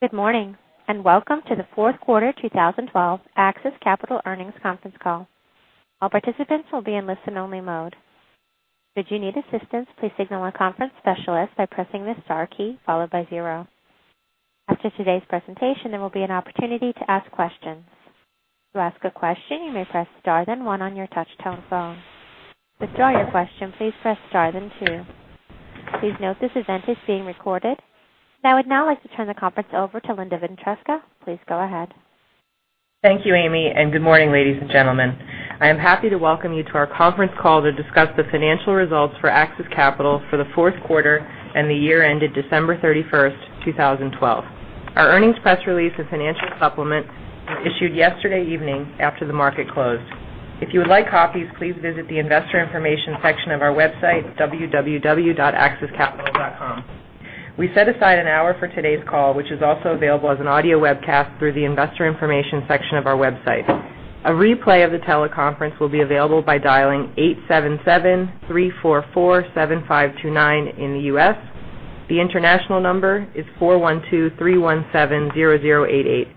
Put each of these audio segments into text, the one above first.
Good morning, and welcome to the fourth quarter 2012 AXIS Capital earnings conference call. All participants will be in listen only mode. If you need assistance, please signal our conference specialist by pressing the star key followed by zero. After today's presentation, there will be an opportunity to ask questions. To ask a question, you may press star then one on your touch-tone phone. To withdraw your question, please press star then two. Please note this event is being recorded. I would now like to turn the conference over to Linda Ventresca. Please go ahead. Thank you, Amy, and good morning, ladies and gentlemen. I am happy to welcome you to our conference call to discuss the financial results for AXIS Capital for the fourth quarter and the year ended December 31st, 2012. Our earnings press release and financial supplements were issued yesterday evening after the market closed. If you would like copies, please visit the investor information section of our website, www.axiscapital.com. We set aside an hour for today's call, which is also available as an audio webcast through the investor information section of our website. A replay of the teleconference will be available by dialing 877-344-7529 in the U.S. The international number is 412-317-0088.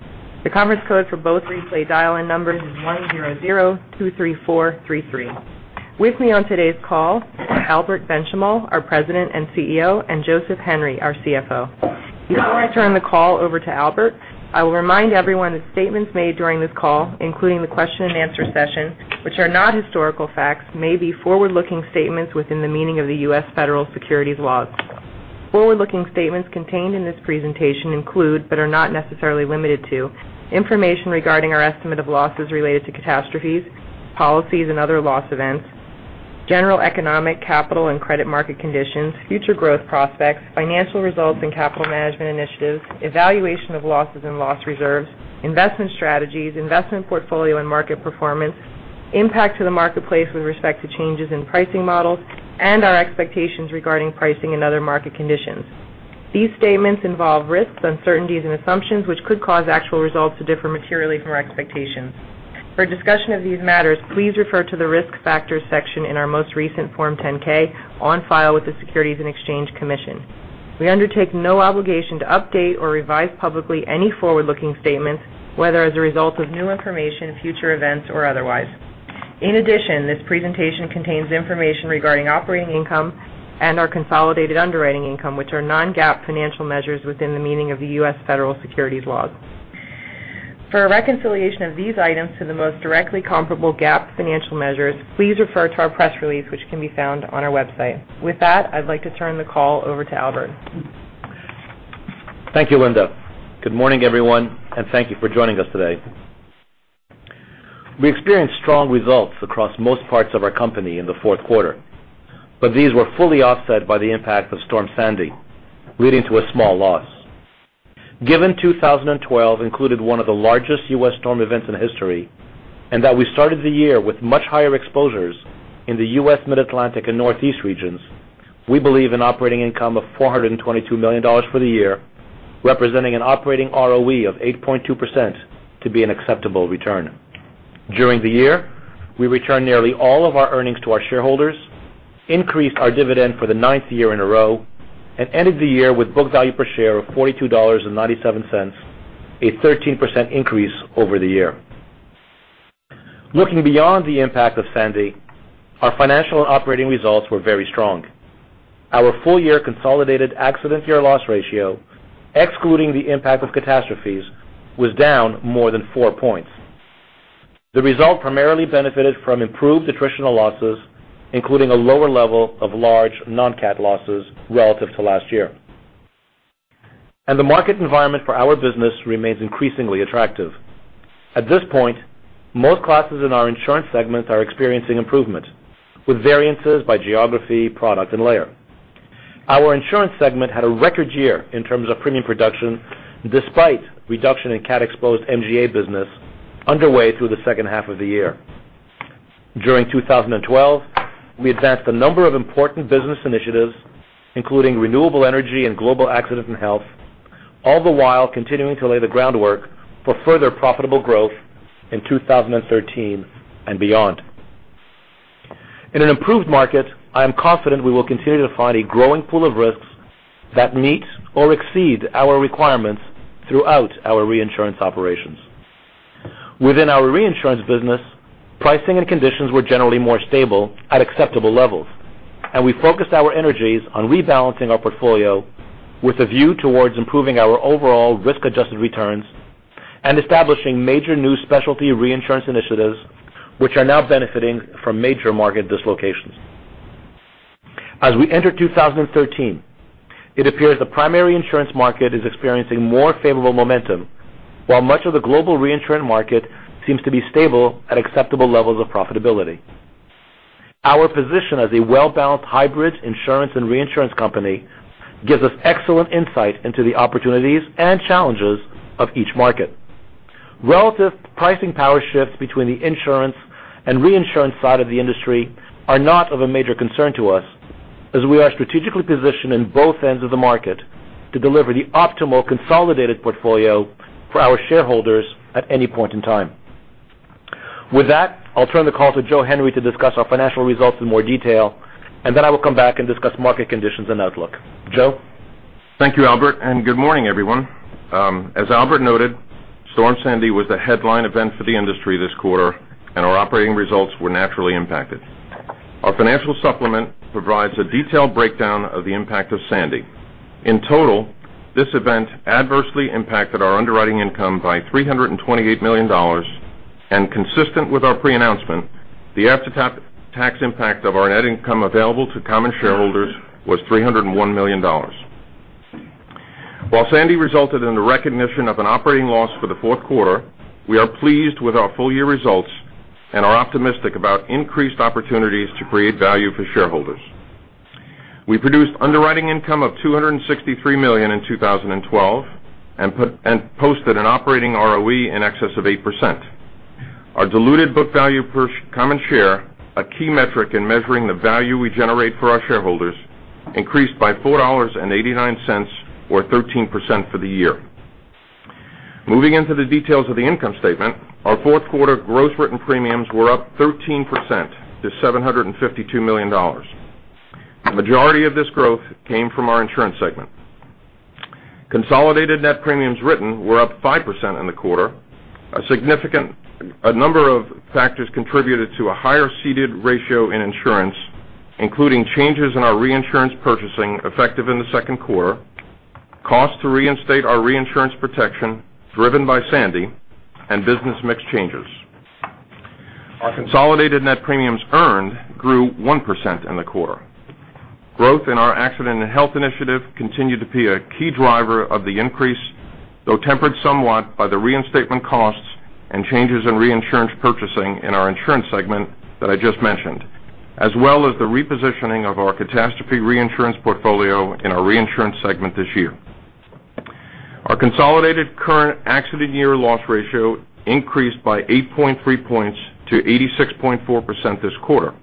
The conference code for both replay dial-in numbers is 100-234-33. With me on today's call, Albert Benchimol, our President and CEO, and Joseph Henry, our CFO. Before I turn the call over to Albert, I will remind everyone that statements made during this call, including the question and answer session, which are not historical facts, may be forward-looking statements within the meaning of the U.S. federal securities laws. Forward-looking statements contained in this presentation include, but are not necessarily limited to, information regarding our estimate of losses related to catastrophes, policies and other loss events, general economic, capital and credit market conditions, future growth prospects, financial results and capital management initiatives, evaluation of losses and loss reserves, investment strategies, investment portfolio and market performance, impact to the marketplace with respect to changes in pricing models, and our expectations regarding pricing and other market conditions. These statements involve risks, uncertainties, and assumptions which could cause actual results to differ materially from expectations. For a discussion of these matters, please refer to the Risk Factors section in our most recent Form 10-K on file with the Securities and Exchange Commission. We undertake no obligation to update or revise publicly any forward-looking statements, whether as a result of new information, future events, or otherwise. In addition, this presentation contains information regarding operating income and our consolidated underwriting income, which are non-GAAP financial measures within the meaning of the U.S. federal securities laws. For a reconciliation of these items to the most directly comparable GAAP financial measures, please refer to our press release, which can be found on our website. With that, I'd like to turn the call over to Albert. Thank you, Linda. Good morning, everyone, and thank you for joining us today. We experienced strong results across most parts of our company in the fourth quarter, but these were fully offset by the impact of Superstorm Sandy, leading to a small loss. Given 2012 included one of the largest U.S. storm events in history, and that we started the year with much higher exposures in the U.S. Mid-Atlantic and Northeast regions, we believe an operating income of $422 million for the year, representing an operating ROE of 8.2%, to be an acceptable return. During the year, we returned nearly all of our earnings to our shareholders, increased our dividend for the ninth year in a row, and ended the year with book value per share of $42.97, a 13% increase over the year. Looking beyond the impact of Sandy, our financial and operating results were very strong. Our full year consolidated accident year loss ratio, excluding the impact of catastrophes, was down more than four points. The result primarily benefited from improved attritional losses, including a lower level of large non-cat losses relative to last year. The market environment for our business remains increasingly attractive. At this point, most classes in our insurance segment are experiencing improvement, with variances by geography, product, and layer. Our insurance segment had a record year in terms of premium production, despite reduction in cat-exposed MGA business underway through the second half of the year. During 2012, we advanced a number of important business initiatives, including renewable energy and global accident and health, all the while continuing to lay the groundwork for further profitable growth in 2013 and beyond. In an improved market, I am confident we will continue to find a growing pool of risks that meet or exceed our requirements throughout our reinsurance operations. Within our reinsurance business, pricing and conditions were generally more stable at acceptable levels, and we focused our energies on rebalancing our portfolio with a view towards improving our overall risk-adjusted returns and establishing major new specialty reinsurance initiatives, which are now benefiting from major market dislocations. As we enter 2013, it appears the primary insurance market is experiencing more favorable momentum, while much of the global reinsurance market seems to be stable at acceptable levels of profitability. Our position as a well-balanced hybrid insurance and reinsurance company gives us excellent insight into the opportunities and challenges of each market. Relative pricing power shifts between the insurance and reinsurance side of the industry are not of a major concern to us, as we are strategically positioned in both ends of the market to deliver the optimal consolidated portfolio for our shareholders at any point in time. With that, I'll turn the call to Joe Henry to discuss our financial results in more detail, and then I will come back and discuss market conditions and outlook. Joe? Thank you, Albert, and good morning, everyone. As Albert noted, Superstorm Sandy was the headline event for the industry this quarter, and our operating results were naturally impacted. Our financial supplement provides a detailed breakdown of the impact of Sandy. In total, this event adversely impacted our underwriting income by $328 million, and consistent with our pre-announcement, the after-tax impact of our net income available to common shareholders was $301 million. While Sandy resulted in the recognition of an operating loss for the fourth quarter, we are pleased with our full-year results and are optimistic about increased opportunities to create value for shareholders. We produced underwriting income of $263 million in 2012 and posted an operating ROE in excess of 8%. Our diluted book value per common share, a key metric in measuring the value we generate for our shareholders, increased by $4.89, or 13% for the year. Moving into the details of the income statement, our fourth quarter gross written premiums were up 13% to $752 million. The majority of this growth came from our insurance segment. Consolidated net premiums written were up 5% in the quarter. A number of factors contributed to a higher ceded ratio in insurance, including changes in our reinsurance purchasing effective in the second quarter, cost to reinstate our reinsurance protection driven by Sandy, and business mix changes. Our consolidated net premiums earned grew 1% in the quarter. Growth in our Accident and Health initiative continued to be a key driver of the increase, though tempered somewhat by the reinstatement costs and changes in reinsurance purchasing in our insurance segment that I just mentioned, as well as the repositioning of our catastrophe reinsurance portfolio in our reinsurance segment this year. Our consolidated current accident year loss ratio increased by 8.3 points to 86.4% this quarter.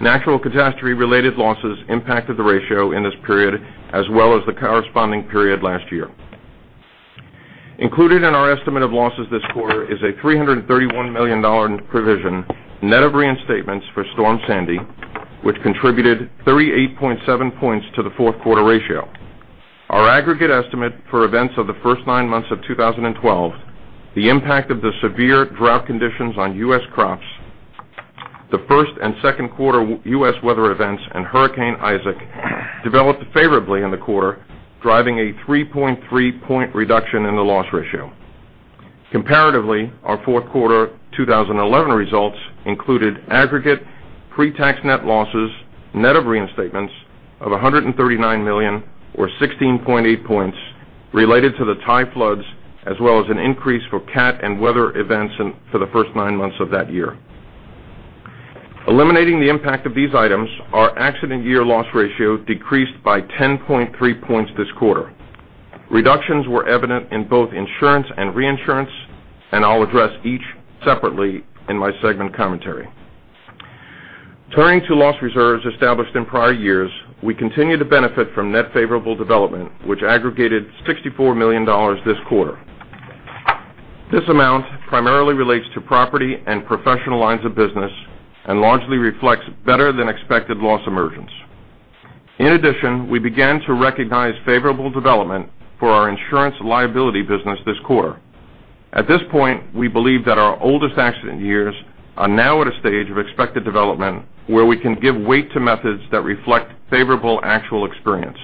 Natural catastrophe-related losses impacted the ratio in this period, as well as the corresponding period last year. Included in our estimate of losses this quarter is a $331 million provision net of reinstatements for Superstorm Sandy, which contributed 38.7 points to the fourth quarter ratio. Our aggregate estimate for events of the first nine months of 2012, the impact of the severe drought conditions on U.S. crops, the first and second quarter U.S. weather events, and Hurricane Isaac developed favorably in the quarter, driving a 3.3 point reduction in the loss ratio. Comparatively, our fourth quarter 2011 results included aggregate pre-tax net losses, net of reinstatements of $139 million, or 16.8 points related to the Thailand floods, as well as an increase for cat and weather events for the first nine months of that year. Eliminating the impact of these items, our accident year loss ratio decreased by 10.3 points this quarter. Reductions were evident in both insurance and reinsurance, and I'll address each separately in my segment commentary. Turning to loss reserves established in prior years, we continue to benefit from net favorable development, which aggregated $64 million this quarter. This amount primarily relates to property and professional lines of business and largely reflects better than expected loss emergence. In addition, we began to recognize favorable development for our insurance liability business this quarter. At this point, we believe that our oldest accident years are now at a stage of expected development where we can give weight to methods that reflect favorable actual experience.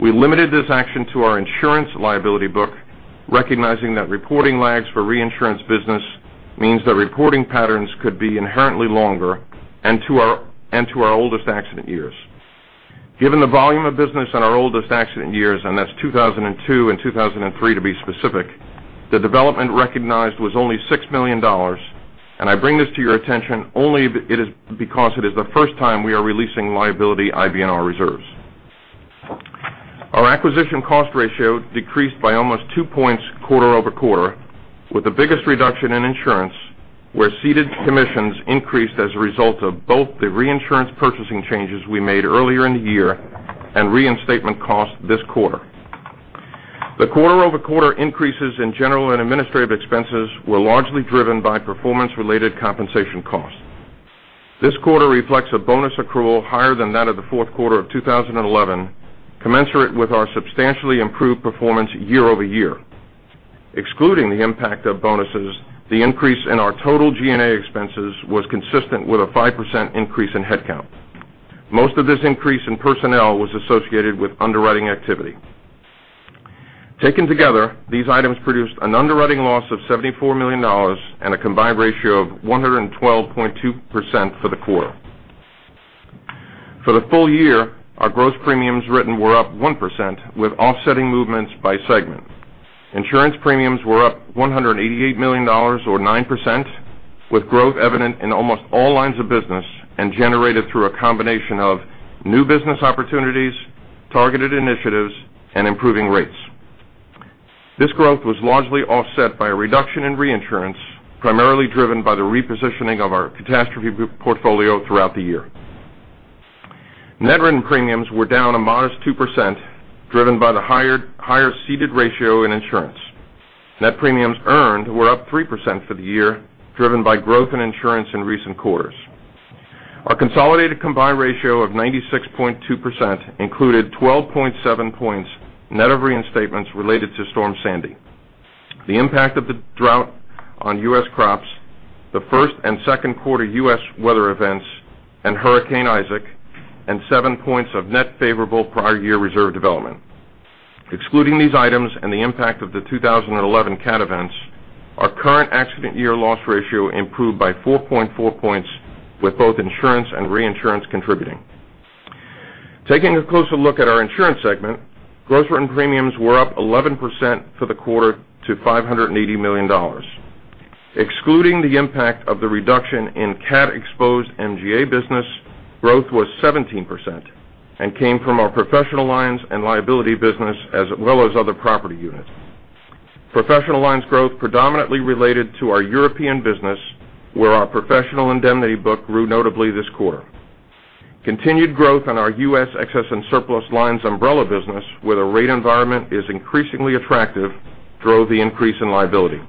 We limited this action to our insurance liability book, recognizing that reporting lags for reinsurance business means that reporting patterns could be inherently longer, and to our oldest accident years. Given the volume of business in our oldest accident years, that's 2002 and 2003, to be specific, the development recognized was only $6 million. I bring this to your attention only because it is the first time we are releasing liability IBNR reserves. Our acquisition cost ratio decreased by almost two points quarter-over-quarter, with the biggest reduction in insurance where ceded commissions increased as a result of both the reinsurance purchasing changes we made earlier in the year and reinstatement costs this quarter. The quarter-over-quarter increases in general and administrative expenses were largely driven by performance related compensation costs. This quarter reflects a bonus accrual higher than that of the fourth quarter of 2011, commensurate with our substantially improved performance year-over-year. Excluding the impact of bonuses, the increase in our total G&A expenses was consistent with a 5% increase in headcount. Most of this increase in personnel was associated with underwriting activity. Taken together, these items produced an underwriting loss of $74 million and a combined ratio of 112.2% for the quarter. For the full year, our gross premiums written were up 1% with offsetting movements by segment. Insurance premiums were up $188 million, or 9%, with growth evident in almost all lines of business and generated through a combination of new business opportunities, targeted initiatives, and improving rates. This growth was largely offset by a reduction in reinsurance, primarily driven by the repositioning of our catastrophe portfolio throughout the year. Net written premiums were down a modest 2%, driven by the higher ceded ratio in insurance. Net premiums earned were up 3% for the year, driven by growth in insurance in recent quarters. Our consolidated combined ratio of 96.2% included 12.7 points net of reinstatements related to Superstorm Sandy. The impact of the drought on U.S. crops, the first and second quarter U.S. weather events, Hurricane Isaac, and seven points of net favorable prior year reserve development. Excluding these items and the impact of the 2011 cat events, our current accident year loss ratio improved by 4.4 points, with both insurance and reinsurance contributing. Taking a closer look at our insurance segment, gross written premiums were up 11% for the quarter to $580 million. Excluding the impact of the reduction in cat-exposed MGA business, growth was 17% and came from our professional lines and liability business, as well as other property units. Professional lines growth predominantly related to our European business, where our professional indemnity book grew notably this quarter. Continued growth in our U.S. excess and surplus lines umbrella business, where the rate environment is increasingly attractive, drove the increase in liability.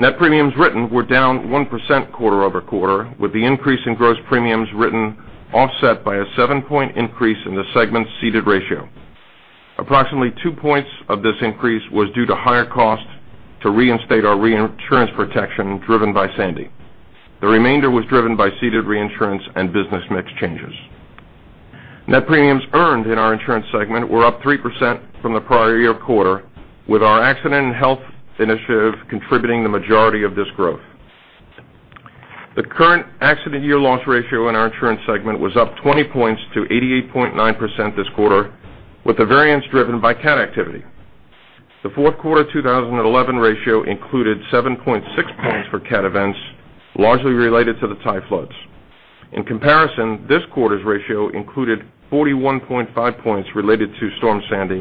Net premiums written were down 1% quarter-over-quarter, with the increase in gross premiums written offset by a seven-point increase in the segment's ceded ratio. Approximately two points of this increase was due to higher costs to reinstate our reinsurance protection, driven by Superstorm Sandy. The remainder was driven by ceded reinsurance and business mix changes. Net premiums earned in our insurance segment were up 3% from the prior year quarter, with our accident and health initiative contributing the majority of this growth. The current accident year loss ratio in our insurance segment was up 20 points to 88.9% this quarter, with the variance driven by cat activity. The fourth quarter 2011 ratio included 7.6 points for cat events, largely related to the 2011 Thailand floods. In comparison, this quarter's ratio included 41.5 points related to Superstorm Sandy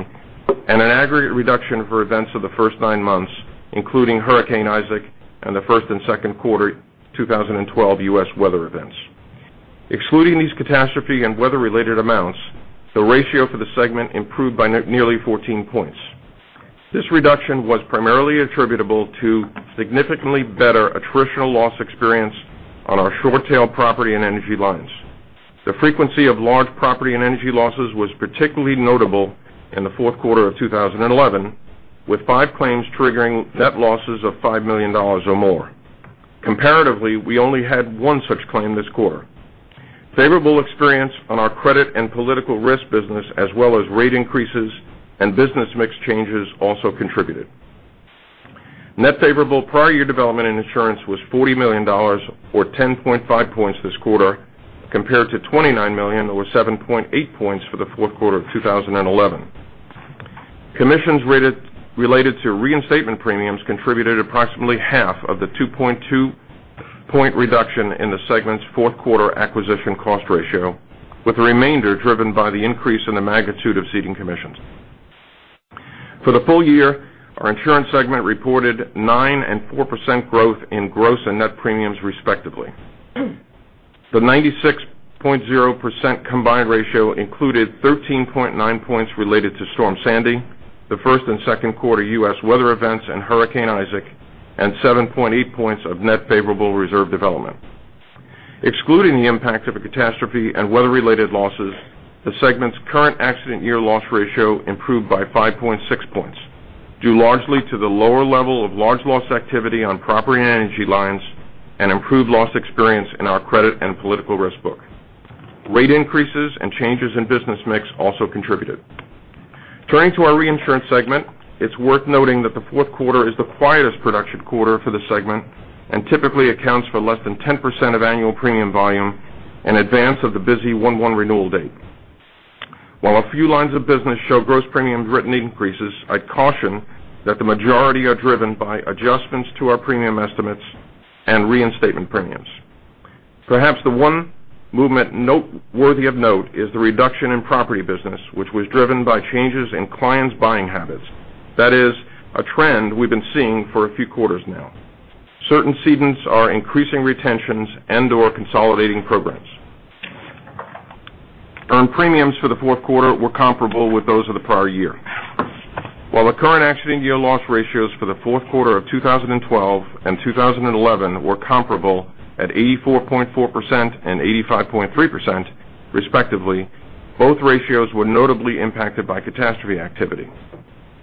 and an aggregate reduction for events of the first nine months, including Hurricane Isaac and the first and second quarter 2012 U.S. weather events. Excluding these catastrophe and weather-related amounts, the ratio for the segment improved by nearly 14 points. This reduction was primarily attributable to significantly better attritional loss experience on our short-tail property and energy lines. The frequency of large property and energy losses was particularly notable in the fourth quarter of 2011, with five claims triggering net losses of $5 million or more. Comparatively, we only had one such claim this quarter. Favorable experience on our credit and political risk business as well as rate increases and business mix changes also contributed. Net favorable prior year development and insurance was $40 million, or 10.5 points this quarter, compared to $29 million, or 7.8 points for the fourth quarter of 2011. Commissions related to reinstatement premiums contributed approximately half of the 2.2 point reduction in the segment's fourth quarter acquisition cost ratio, with the remainder driven by the increase in the magnitude of ceding commissions. For the full year, our insurance segment reported 9% and 4% growth in gross and net premiums, respectively. The 96.0% combined ratio included 13.9 points related to Superstorm Sandy, the first and second quarter U.S. weather events, and Hurricane Isaac, and 7.8 points of net favorable reserve development. Excluding the impact of the catastrophe and weather-related losses, the segment's current accident year loss ratio improved by 5.6 points, due largely to the lower level of large loss activity on property and energy lines and improved loss experience in our credit and political risk book. Rate increases and changes in business mix also contributed. Turning to our reinsurance segment, it's worth noting that the fourth quarter is the quietest production quarter for the segment and typically accounts for less than 10% of annual premium volume in advance of the busy 1/1 renewal date. While a few lines of business show gross premiums written increases, I caution that the majority are driven by adjustments to our premium estimates and reinstatement premiums. Perhaps the one movement worthy of note is the reduction in property business, which was driven by changes in clients' buying habits. That is a trend we've been seeing for a few quarters now. Certain cedents are increasing retentions and/or consolidating programs. Earned premiums for the fourth quarter were comparable with those of the prior year. While the current accident year loss ratios for the fourth quarter of 2012 and 2011 were comparable at 84.4% and 85.3%, respectively, both ratios were notably impacted by catastrophe activity.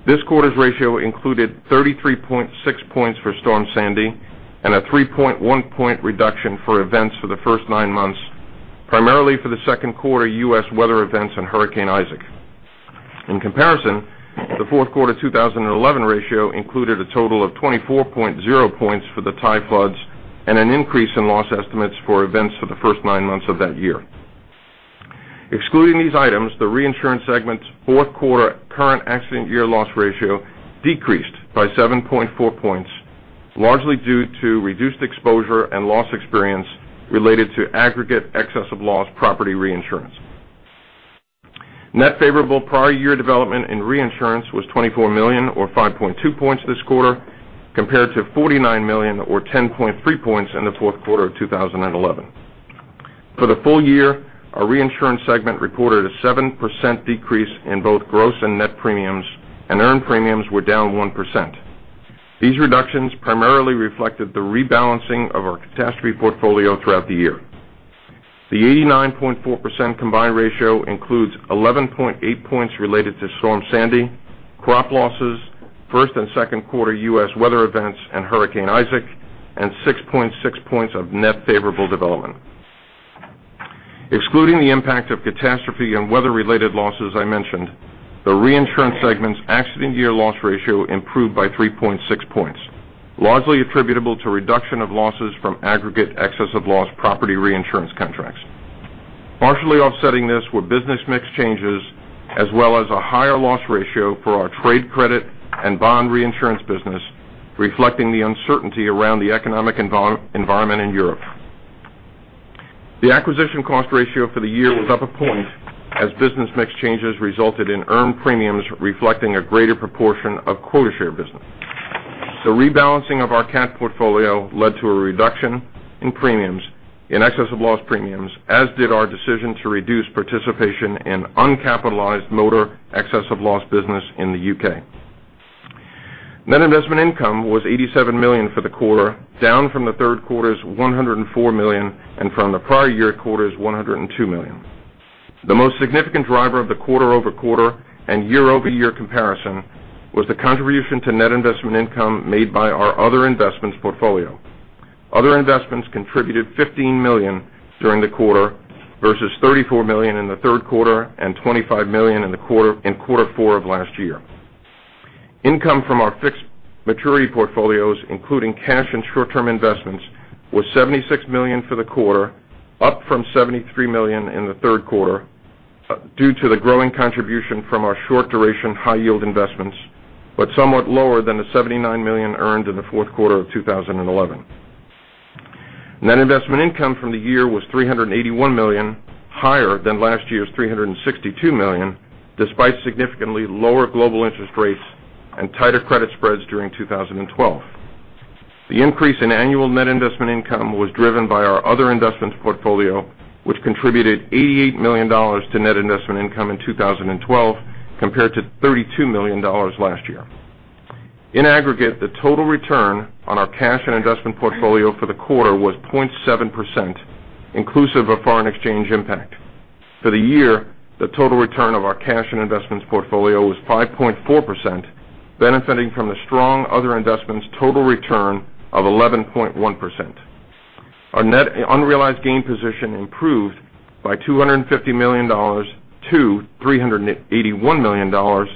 This quarter's ratio included 33.6 points for Superstorm Sandy and a 3.1 point reduction for events for the first nine months, primarily for the second quarter U.S. weather events and Hurricane Isaac. In comparison, the fourth quarter 2011 ratio included a total of 24.0 points for the Thai floods and an increase in loss estimates for events for the first nine months of that year. Excluding these items, the reinsurance segment's fourth quarter current accident year loss ratio decreased by 7.4 points, largely due to reduced exposure and loss experience related to aggregate excess of loss property reinsurance. Net favorable prior year development in reinsurance was $24 million, or 5.2 points this quarter, compared to $49 million, or 10.3 points in the fourth quarter of 2011. For the full year, our reinsurance segment reported a 7% decrease in both gross and net premiums, and earned premiums were down 1%. These reductions primarily reflected the rebalancing of our catastrophe portfolio throughout the year. The 89.4% combined ratio includes 11.8 points related to Storm Sandy, crop losses, first and second quarter U.S. weather events, and Hurricane Isaac, and 6.6 points of net favorable development. Excluding the impact of catastrophe and weather-related losses I mentioned, the reinsurance segment's accident year loss ratio improved by 3.6 points, largely attributable to reduction of losses from aggregate excess of loss property reinsurance contracts. Partially offsetting this were business mix changes, as well as a higher loss ratio for our trade credit and bond reinsurance business, reflecting the uncertainty around the economic environment in Europe. The acquisition cost ratio for the year was up one point, as business mix changes resulted in earned premiums reflecting a greater proportion of quota share business. The rebalancing of our cat portfolio led to a reduction in excess of loss premiums, as did our decision to reduce participation in uncapitalized motor excess of loss business in the U.K. Net investment income was $87 million for the quarter, down from the third quarter's $104 million, and from the prior year quarter's $102 million. The most significant driver of the quarter-over-quarter and year-over-year comparison was the contribution to net investment income made by our other investments portfolio. Other investments contributed $15 million during the quarter versus $34 million in the third quarter and $25 million in Quarter Four of last year. Income from our fixed maturity portfolios, including cash and short-term investments, was $76 million for the quarter, up from $73 million in the third quarter, due to the growing contribution from our short duration high yield investments, but somewhat lower than the $79 million earned in the fourth quarter of 2011. Net investment income from the year was $381 million, higher than last year's $362 million, despite significantly lower global interest rates and tighter credit spreads during 2012. The increase in annual net investment income was driven by our other investments portfolio, which contributed $88 million to net investment income in 2012 compared to $32 million last year. In aggregate, the total return on our cash and investment portfolio for the quarter was 0.7%, inclusive of foreign exchange impact. For the year, the total return of our cash and investments portfolio was 5.4%, benefiting from the strong other investments total return of 11.1%. Our net unrealized gain position improved by $250 million to $381 million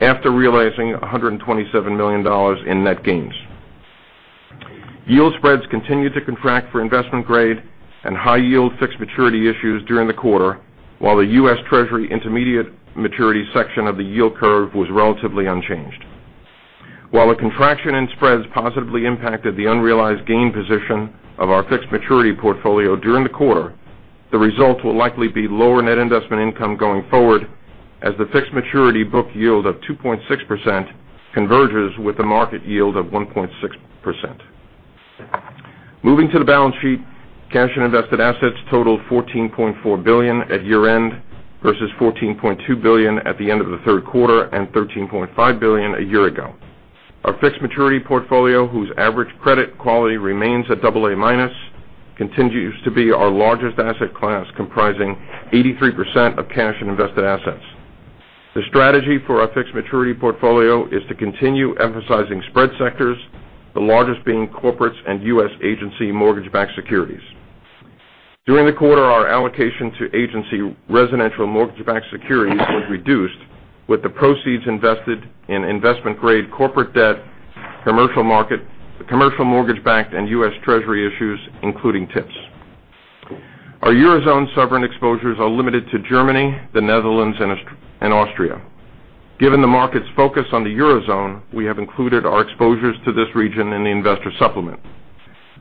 after realizing $127 million in net gains. Yield spreads continued to contract for investment-grade and high-yield fixed maturity issues during the quarter, while the U.S. Treasury intermediate maturity section of the yield curve was relatively unchanged. While a contraction in spreads positively impacted the unrealized gain position of our fixed maturity portfolio during the quarter, the result will likely be lower net investment income going forward as the fixed maturity book yield of 2.6% converges with the market yield of 1.6%. Moving to the balance sheet, cash and invested assets totaled $14.4 billion at year end versus $14.2 billion at the end of the third quarter and $13.5 billion a year ago. Our fixed maturity portfolio, whose average credit quality remains at AA-, continues to be our largest asset class, comprising 83% of cash and invested assets. The strategy for our fixed maturity portfolio is to continue emphasizing spread sectors, the largest being corporates and U.S. agency mortgage-backed securities. During the quarter, our allocation to agency residential mortgage-backed securities was reduced, with the proceeds invested in investment-grade corporate debt, commercial market, commercial mortgage-backed, and U.S. Treasury issues, including TIPS. Our Eurozone sovereign exposures are limited to Germany, the Netherlands, and Austria. Given the market's focus on the Eurozone, we have included our exposures to this region in the investor supplement.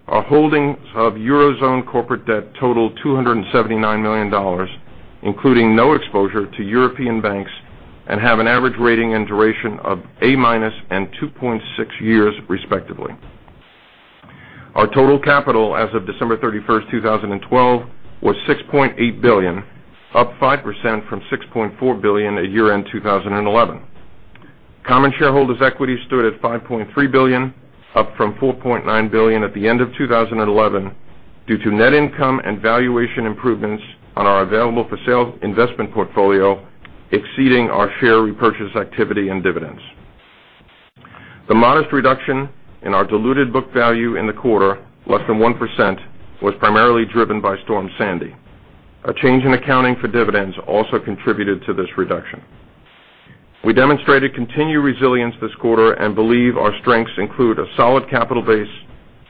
Our holdings of Eurozone corporate debt total $279 million, including no exposure to European banks, and have an average rating and duration of A- and 2.6 years, respectively. Our total capital as of December 31st, 2012, was $6.8 billion, up 5% from $6.4 billion at year-end 2011. Common shareholders' equity stood at $5.3 billion, up from $4.9 billion at the end of 2011, due to net income and valuation improvements on our available for sale investment portfolio exceeding our share repurchase activity and dividends. The modest reduction in our diluted book value in the quarter, less than 1%, was primarily driven by Storm Sandy. A change in accounting for dividends also contributed to this reduction. We demonstrated continued resilience this quarter and believe our strengths include a solid capital base,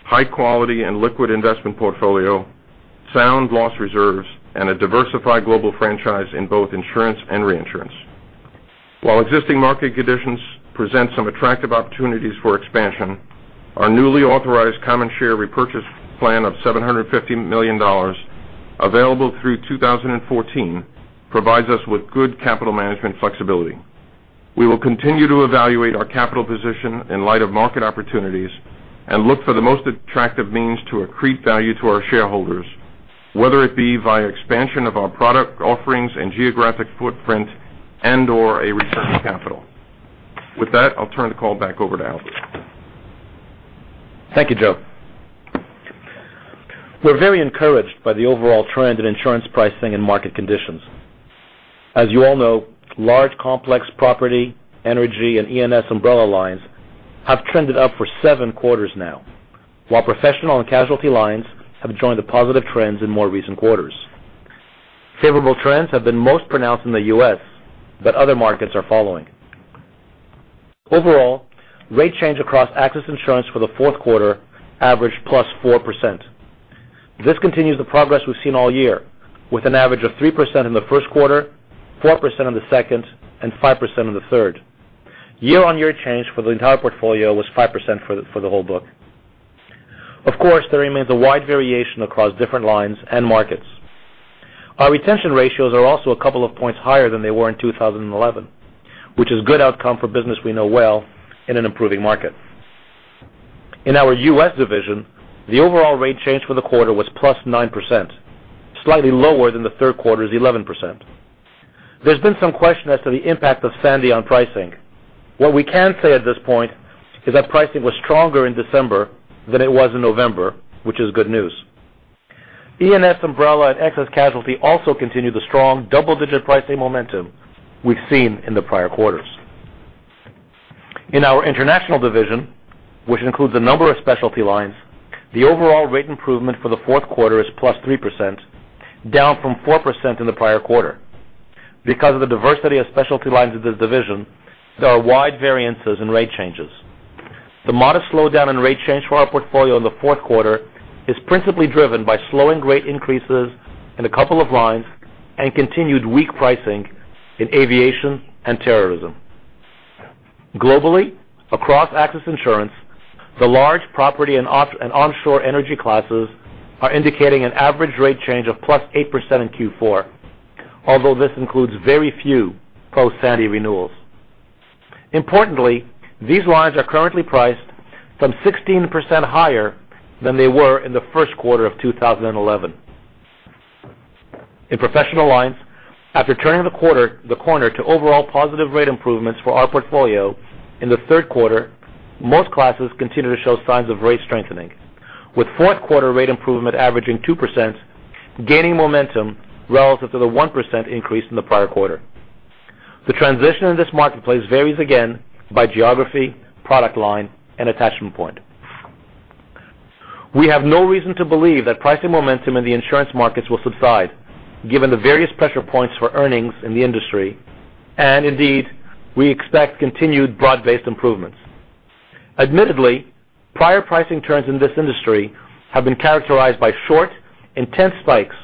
high quality and liquid investment portfolio, sound loss reserves, and a diversified global franchise in both insurance and reinsurance. While existing market conditions present some attractive opportunities for expansion, our newly authorized common share repurchase plan of $750 million available through 2014 provides us with good capital management flexibility. We will continue to evaluate our capital position in light of market opportunities and look for the most attractive means to accrete value to our shareholders, whether it be via expansion of our product offerings and geographic footprint and/or a return of capital. With that, I'll turn the call back over to Albert. Thank you, Joe. We're very encouraged by the overall trend in insurance pricing and market conditions. As you all know, large, complex property, energy, and E&S umbrella lines have trended up for seven quarters now, while professional and casualty lines have joined the positive trends in more recent quarters. Favorable trends have been most pronounced in the U.S., but other markets are following. Overall, rate change across AXIS insurance for the fourth quarter averaged +4%. This continues the progress we've seen all year, with an average of 3% in the first quarter, 4% in the second, and 5% in the third. Year-on-year change for the entire portfolio was 5% for the whole book. Of course, there remains a wide variation across different lines and markets. Our retention ratios are also a couple of points higher than they were in 2011, which is a good outcome for business we know well in an improving market. In our U.S. division, the overall rate change for the quarter was plus 9%, slightly lower than the third quarter's 11%. There's been some question as to the impact of Sandy on pricing. What we can say at this point is that pricing was stronger in December than it was in November, which is good news. E&S umbrella at excess casualty also continued the strong double-digit pricing momentum we've seen in the prior quarters. In our international division, which includes a number of specialty lines, the overall rate improvement for the fourth quarter is plus 3%, down from 4% in the prior quarter. Because of the diversity of specialty lines in this division, there are wide variances in rate changes. The modest slowdown in rate change for our portfolio in the fourth quarter is principally driven by slowing rate increases in a couple of lines and continued weak pricing in aviation and terrorism. Globally, across AXIS insurance, the large property and offshore energy classes are indicating an average rate change of plus 8% in Q4, although this includes very few post-Sandy renewals. Importantly, these lines are currently priced from 16% higher than they were in the first quarter of 2011. In professional lines, after turning the corner to overall positive rate improvements for our portfolio in the third quarter, most classes continue to show signs of rate strengthening, with fourth quarter rate improvement averaging 2%, gaining momentum relative to the 1% increase in the prior quarter. The transition in this marketplace varies again by geography, product line, and attachment point. We have no reason to believe that pricing momentum in the insurance markets will subside given the various pressure points for earnings in the industry. Indeed, we expect continued broad-based improvements. Admittedly, prior pricing trends in this industry have been characterized by short, intense spikes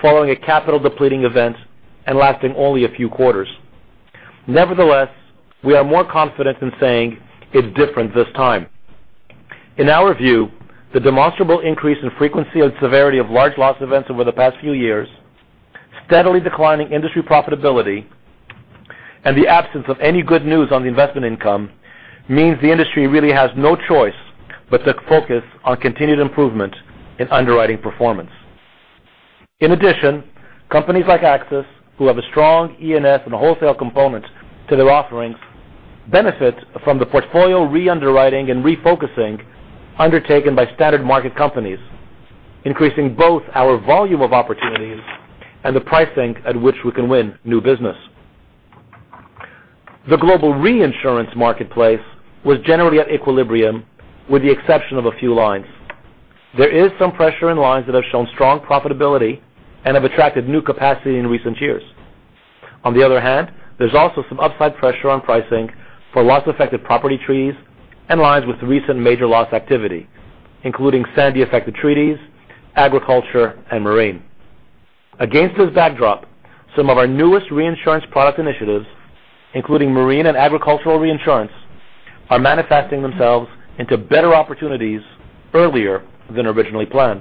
following a capital-depleting event and lasting only a few quarters. Nevertheless, we are more confident in saying it's different this time. In our view, the demonstrable increase in frequency and severity of large loss events over the past few years, steadily declining industry profitability, and the absence of any good news on the investment income means the industry really has no choice but to focus on continued improvement in underwriting performance. In addition, companies like AXIS, who have a strong E&S and wholesale component to their offerings, benefit from the portfolio re-underwriting and refocusing undertaken by standard market companies, increasing both our volume of opportunities and the pricing at which we can win new business. The global reinsurance marketplace was generally at equilibrium, with the exception of a few lines. There is some pressure in lines that have shown strong profitability and have attracted new capacity in recent years. On the other hand, there's also some upside pressure on pricing for loss-affected property treaties and lines with recent major loss activity, including Sandy-affected treaties, agriculture, and marine. Against this backdrop, some of our newest reinsurance product initiatives, including marine and agricultural reinsurance, are manifesting themselves into better opportunities earlier than originally planned.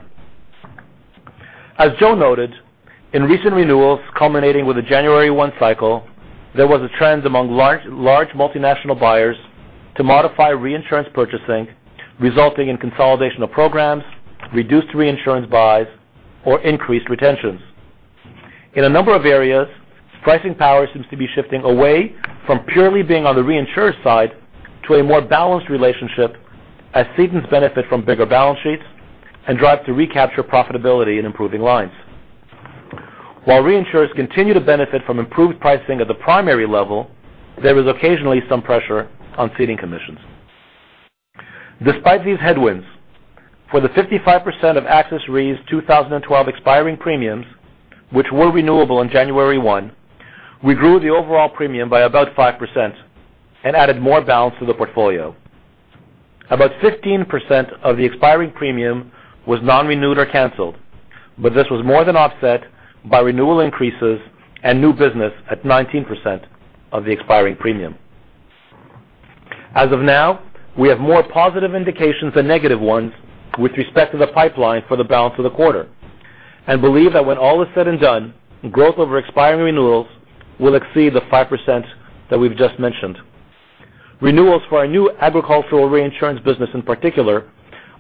As Joe noted, in recent renewals culminating with the January 1 cycle, there was a trend among large multinational buyers to modify reinsurance purchasing, resulting in consolidation of programs, reduced reinsurance buys, or increased retentions. In a number of areas, pricing power seems to be shifting away from purely being on the reinsurer side to a more balanced relationship as cedents benefit from bigger balance sheets and drive to recapture profitability in improving lines. While reinsurers continue to benefit from improved pricing at the primary level, there is occasionally some pressure on ceding commissions. Despite these headwinds, for the 55% of AXIS Re's 2012 expiring premiums, which were renewable on January 1, we grew the overall premium by about 5% and added more balance to the portfolio. About 15% of the expiring premium was non-renewed or canceled. This was more than offset by renewal increases and new business at 19% of the expiring premium. As of now, we have more positive indications than negative ones with respect to the pipeline for the balance of the quarter, and believe that when all is said and done, growth over expiring renewals will exceed the 5% that we've just mentioned. Renewals for our new agricultural reinsurance business in particular,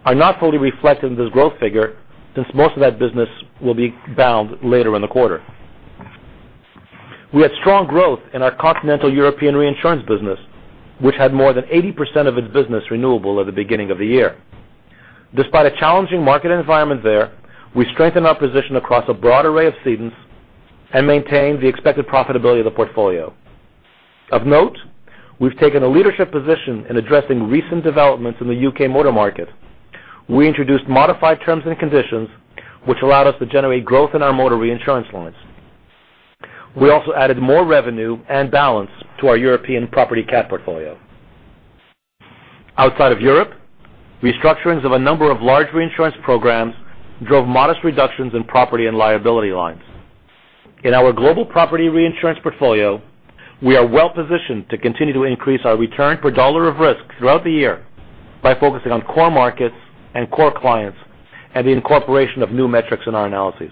are not fully reflected in this growth figure, since most of that business will be bound later in the quarter. We had strong growth in our continental European reinsurance business, which had more than 80% of its business renewable at the beginning of the year. Despite a challenging market environment there, we strengthened our position across a broad array of cedants and maintained the expected profitability of the portfolio. Of note, we've taken a leadership position in addressing recent developments in the U.K. motor market. We introduced modified terms and conditions, which allowed us to generate growth in our motor reinsurance lines. We also added more revenue and balance to our European property cat portfolio. Outside of Europe, restructurings of a number of large reinsurance programs drove modest reductions in property and liability lines. In our global property reinsurance portfolio, we are well-positioned to continue to increase our return per dollar of risk throughout the year by focusing on core markets and core clients, and the incorporation of new metrics in our analyses.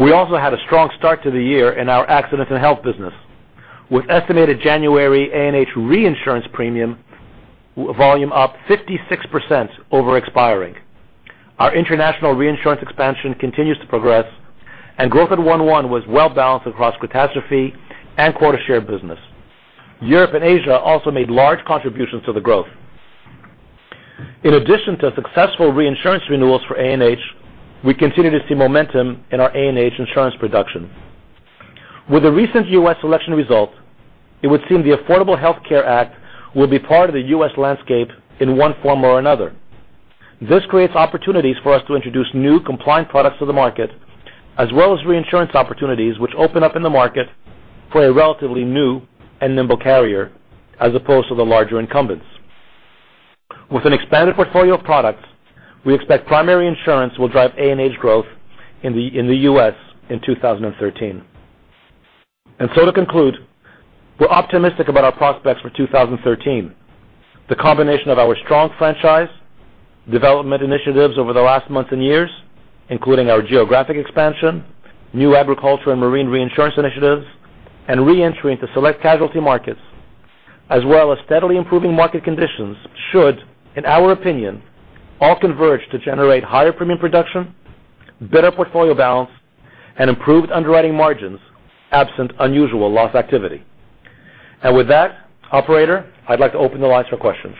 We also had a strong start to the year in our accidents and health business. With estimated January A&H reinsurance premium volume up 56% over expiring. Our international reinsurance expansion continues to progress. Growth at one-one was well-balanced across catastrophe and quota share business. Europe and Asia also made large contributions to the growth. In addition to successful reinsurance renewals for A&H, we continue to see momentum in our A&H insurance production. With the recent U.S. election result, it would seem the Affordable Care Act will be part of the U.S. landscape in one form or another. This creates opportunities for us to introduce new compliant products to the market, as well as reinsurance opportunities, which open up in the market for a relatively new and nimble carrier, as opposed to the larger incumbents. With an expanded portfolio of products, we expect primary insurance will drive A&H growth in the U.S. in 2013. To conclude, we're optimistic about our prospects for 2013. The combination of our strong franchise, development initiatives over the last months and years, including our geographic expansion, new agriculture and marine reinsurance initiatives, and re-entry into select casualty markets, as well as steadily improving market conditions should, in our opinion, all converge to generate higher premium production, better portfolio balance, and improved underwriting margins, absent unusual loss activity. With that, Operator, I'd like to open the lines for questions.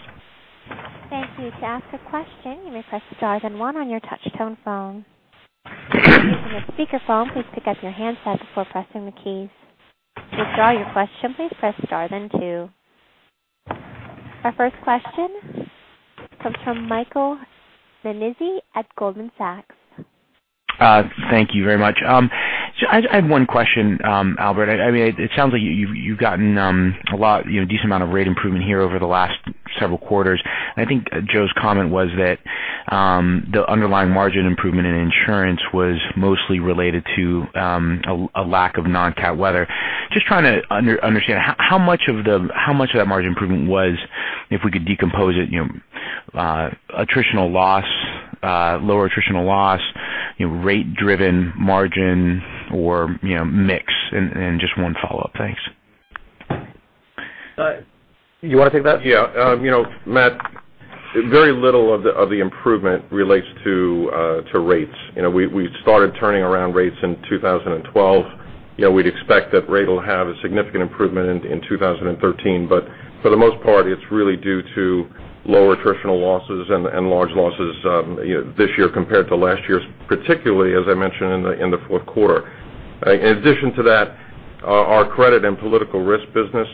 Thank you. To ask a question, you may press star one on your touch tone phone. If you're using a speakerphone, please pick up your handset before pressing the keys. To withdraw your question, please press star two. Our first question comes from Michael Nannizzi at Goldman Sachs. Thank you very much. I have one question, Albert. It sounds like you've gotten a decent amount of rate improvement here over the last several quarters. I think Joe's comment was that the underlying margin improvement in insurance was mostly related to a lack of non-cat weather. Just trying to understand how much of that margin improvement was, if we could decompose it, attritional loss, lower attritional loss, rate driven margin or mix? Just one follow-up. Thanks. You want to take that? Yeah. Matt, very little of the improvement relates to rates. We started turning around rates in 2012. We would expect that rate will have a significant improvement in 2013. For the most part, it is really due to lower attritional losses and large losses this year compared to last year's, particularly as I mentioned in the fourth quarter. In addition to that, our credit and political risk business,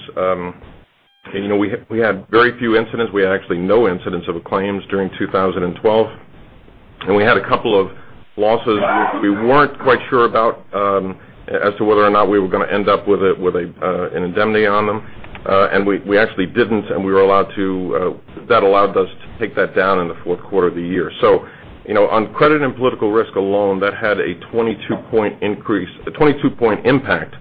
we had very few incidents. We had actually no incidents of claims during 2012. We had a couple of losses which we were not quite sure about as to whether or not we were going to end up with an indemnity on them. We actually did not, and that allowed us to take that down in the fourth quarter of the year. On credit and political risk alone, that had a 22-point impact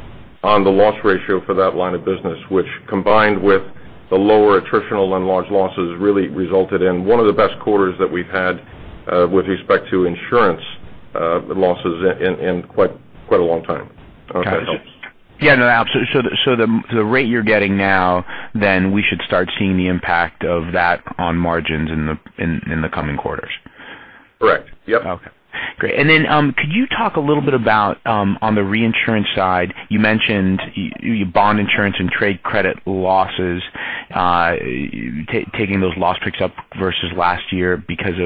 on the loss ratio for that line of business, which combined with the lower attritional and large losses, really resulted in one of the best quarters that we have had with respect to insurance losses in quite a long time. I hope that helps. Yeah, no, absolutely. The rate you are getting now, then we should start seeing the impact of that on margins in the coming quarters. Correct. Yep. Okay. Great. Could you talk a little bit about on the reinsurance side, you mentioned your bond insurance and trade credit losses, taking those loss picks up versus last year because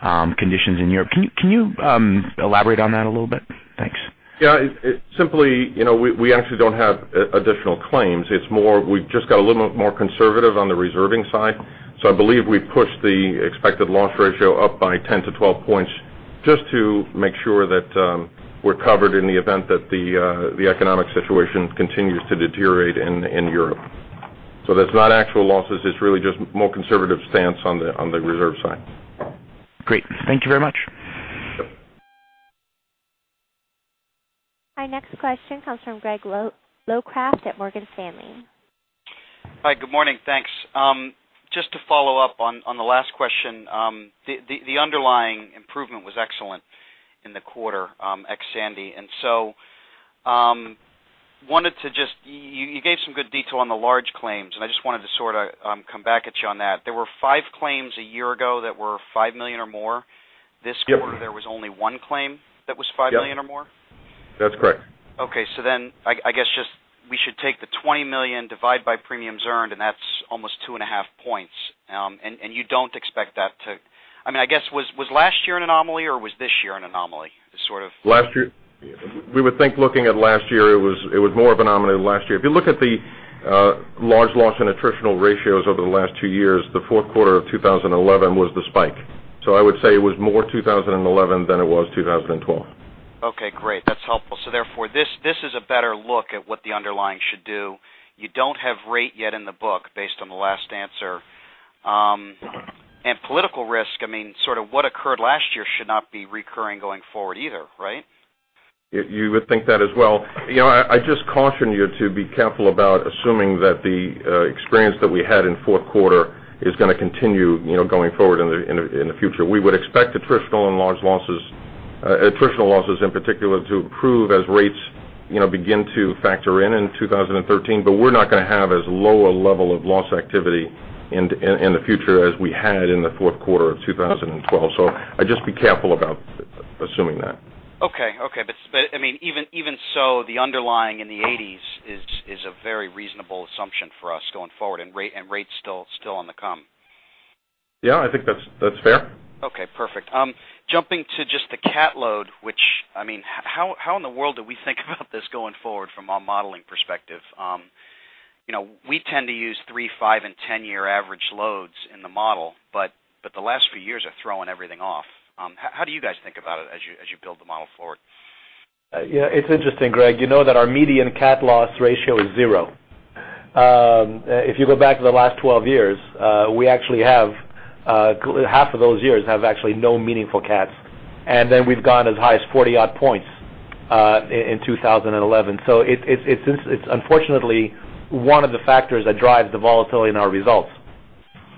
of conditions in Europe. Can you elaborate on that a little bit? Thanks. Yeah. Simply, we actually don't have additional claims. It's more we've just got a little more conservative on the reserving side. I believe we've pushed the expected loss ratio up by 10 to 12 points just to make sure that we're covered in the event that the economic situation continues to deteriorate in Europe. That's not actual losses, it's really just more conservative stance on the reserve side. Great. Thank you very much. Yep. Our next question comes from Greg Locraft at Morgan Stanley. Hi, good morning. Thanks. Just to follow up on the last question. The underlying improvement was excellent in the quarter ex Sandy. You gave some good detail on the large claims, and I just wanted to sort of come back at you on that. There were five claims a year ago that were $5 million or more. This quarter- Yep there was only one claim that was $5 million or more? Yep. That's correct. Okay. I guess just we should take the $20 million divide by premiums earned, and that's almost two and a half points. Was last year an anomaly or was this year an anomaly? Last year. We would think looking at last year, it was more of an anomaly last year. If you look at the large loss and attritional ratios over the last two years, the fourth quarter of 2011 was the spike. I would say it was more 2011 than it was 2012. Okay, great. That's helpful. Therefore, this is a better look at what the underlying should do. You don't have rate yet in the book based on the last answer. Correct. Political risk, I mean, sort of what occurred last year should not be recurring going forward either, right? You would think that as well. I'd just caution you to be careful about assuming that the experience that we had in fourth quarter is going to continue going forward in the future. We would expect attritional and large losses, attritional losses in particular, to improve as rates begin to factor in in 2013. We're not going to have as low a level of loss activity in the future as we had in the fourth quarter of 2012. I'd just be careful about assuming that. Okay. Even so, the underlying in the 80s is a very reasonable assumption for us going forward and rates still on the come. Yeah, I think that's fair. Okay, perfect. Jumping to just the cat load, which how in the world do we think about this going forward from a modeling perspective? We tend to use three, five, and 10-year average loads in the model, but the last few years are throwing everything off. How do you guys think about it as you build the model forward? It's interesting, Greg. You know that our median cat loss ratio is zero. If you go back to the last 12 years, we actually have half of those years have actually no meaningful cats. Then we've gone as high as 40 odd points in 2011. It's unfortunately one of the factors that drives the volatility in our results.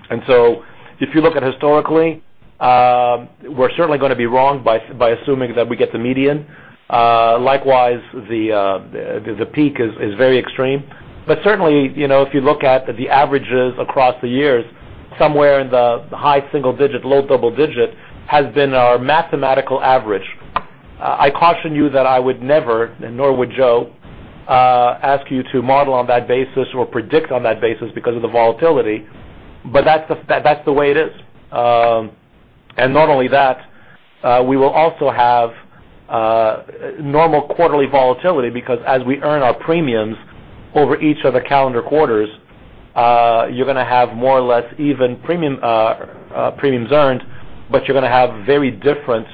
If you look at historically, we're certainly going to be wrong by assuming that we get the median. Likewise, the peak is very extreme. Certainly, if you look at the averages across the years, somewhere in the high single digit, low double digit has been our mathematical average. I caution you that I would never, nor would Joe, ask you to model on that basis or predict on that basis because of the volatility. That's the way it is. Not only that, we will also have normal quarterly volatility because as we earn our premiums over each of the calendar quarters, you're going to have more or less even premiums earned, but you're going to have very different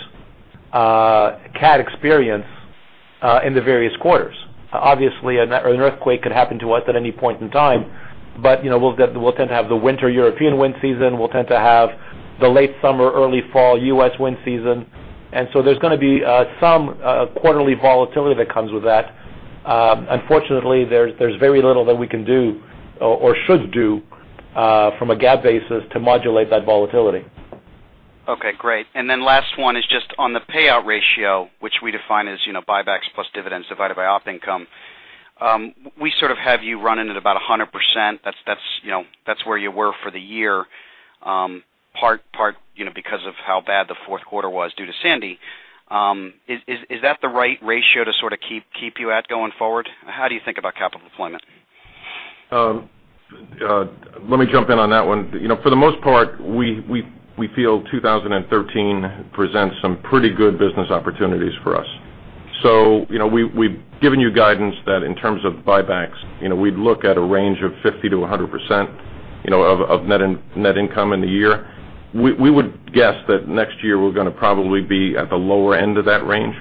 cat experience in the various quarters. Obviously, an earthquake could happen to us at any point in time, but we'll tend to have the winter European wind season, we'll tend to have the late summer, early fall U.S. wind season. There's going to be some quarterly volatility that comes with that. Unfortunately, there's very little that we can do or should do from a GAAP basis to modulate that volatility. Okay, great. Last one is just on the payout ratio, which we define as buybacks plus dividends divided by op income. We sort of have you running at about 100%. That's where you were for the year, part because of how bad the fourth quarter was due to Superstorm Sandy. Is that the right ratio to sort of keep you at going forward? How do you think about capital deployment? Let me jump in on that one. For the most part, we feel 2013 presents some pretty good business opportunities for us. We've given you guidance that in terms of buybacks we'd look at a range of 50%-100% of net income in the year. We would guess that next year we're going to probably be at the lower end of that range.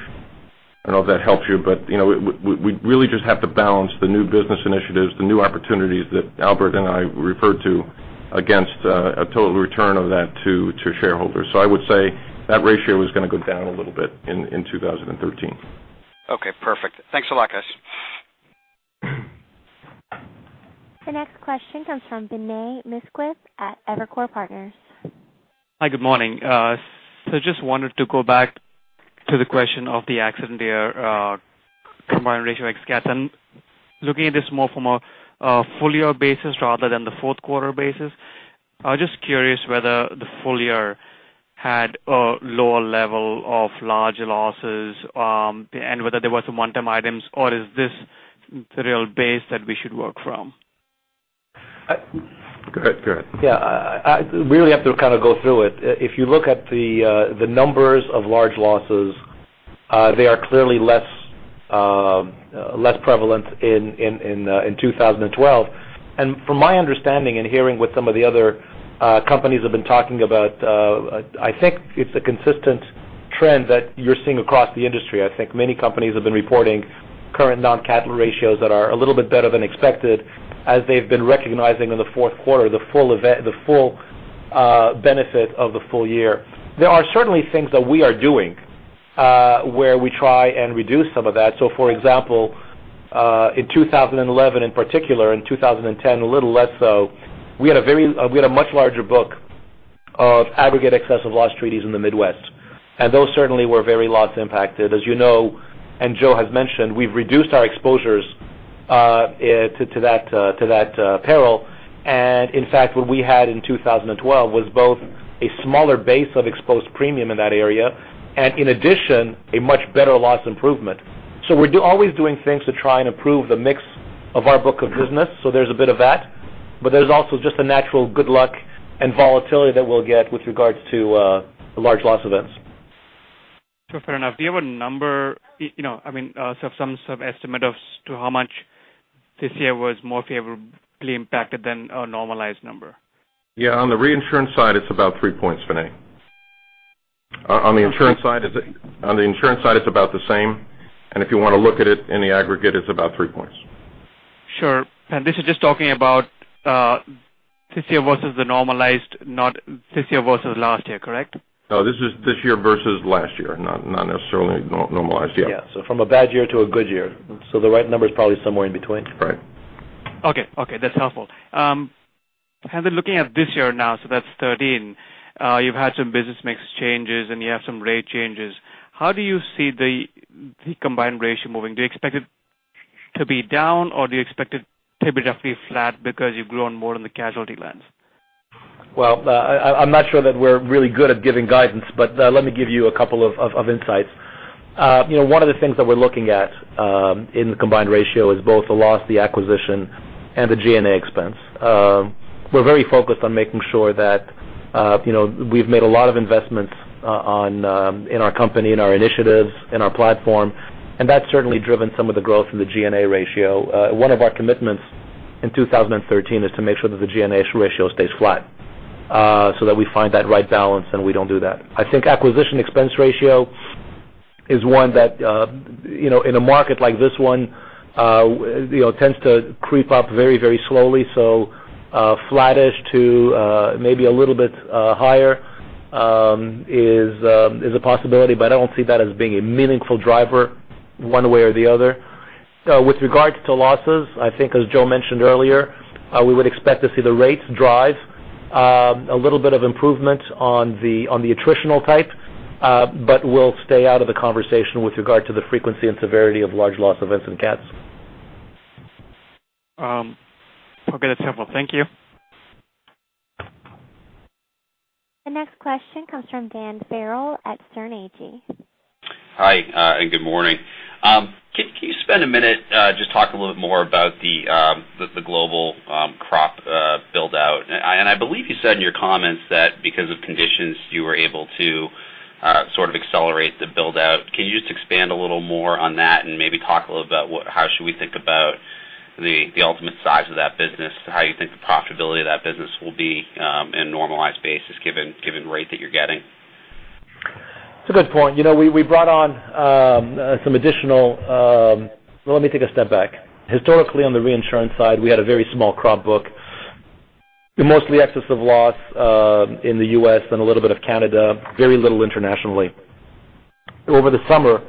I don't know if that helps you, but we really just have to balance the new business initiatives, the new opportunities that Albert and I referred to against a total return of that to shareholders. I would say that ratio is going to go down a little bit in 2013. Okay, perfect. Thanks a lot, guys. The next question comes from Vinay Misquith at Evercore Partners. Hi, good morning. Just wanted to go back to the question of the accident year combined ratio ex cats, and looking at this more from a full year basis rather than the fourth quarter basis. I was just curious whether the full year had a lower level of large losses, and whether there were some one-time items or is this the real base that we should work from? Go ahead. Yeah. We really have to kind of go through it. If you look at the numbers of large losses, they are clearly less prevalent in 2012. From my understanding in hearing what some of the other companies have been talking about, I think it's a consistent trend that you're seeing across the industry. I think many companies have been reporting current non-CAT ratios that are a little bit better than expected as they've been recognizing in the fourth quarter, the full benefit of the full year. There are certainly things that we are doing where we try and reduce some of that. For example, in 2011 in particular, in 2010, a little less so, we had a much larger book of aggregate excessive loss treaties in the Midwest, and those certainly were very loss impacted. As you know, Joe has mentioned, we've reduced our exposures to that peril. In fact, what we had in 2012 was both a smaller base of exposed premium in that area, in addition, a much better loss improvement. We're always doing things to try and improve the mix of our book of business. There's a bit of that. There's also just a natural good luck and volatility that we'll get with regards to large loss events. Fair enough. Do you have a number, some estimate as to how much this year was more favorably impacted than a normalized number? Yeah, on the reinsurance side, it's about three points, Vinay. On the insurance side, it's about the same. If you want to look at it in the aggregate, it's about three points. Sure. This is just talking about this year versus the normalized, not this year versus last year, correct? No, this is this year versus last year, not necessarily normalized. Yeah. Yeah. From a bad year to a good year. The right number is probably somewhere in between. Right. Okay. That's helpful. Then looking at this year now, that's 2013. You've had some business mix changes, and you have some rate changes. How do you see the combined ratio moving? Do you expect it to be down, or do you expect it to be roughly flat because you've grown more in the casualty lens? Well, I'm not sure that we're really good at giving guidance, but let me give you a couple of insights. One of the things that we're looking at in the combined ratio is both the loss, the acquisition, and the G&A expense. We're very focused on making sure that we've made a lot of investments in our company, in our initiatives, in our platform, and that's certainly driven some of the growth in the G&A ratio. One of our commitments in 2013 is to make sure that the G&A ratio stays flat, so that we find that right balance, and we don't do that. I think acquisition expense ratio is one that in a market like this one tends to creep up very slowly. Flattish to maybe a little bit higher is a possibility, but I don't see that as being a meaningful driver one way or the other. With regards to losses, I think as Joe mentioned earlier, we would expect to see the rates drive a little bit of improvement on the attritional type, but we'll stay out of the conversation with regard to the frequency and severity of large loss events in cats. Okay. That's helpful. Thank you. The next question comes from Dan Farrell at Sterne Agee. Hi, and good morning. Can you spend a minute just talk a little bit more about the global crop build-out? I believe you said in your comments that because of conditions, you were able to sort of accelerate the build-out. Can you just expand a little more on that and maybe talk a little about how should we think about the ultimate size of that business, how you think the profitability of that business will be in a normalized basis given rate that you're getting? It's a good point. Well, let me take a step back. Historically, on the reinsurance side, we had a very small crop book. Mostly excess of loss in the U.S. and a little bit of Canada, very little internationally. Over the summer,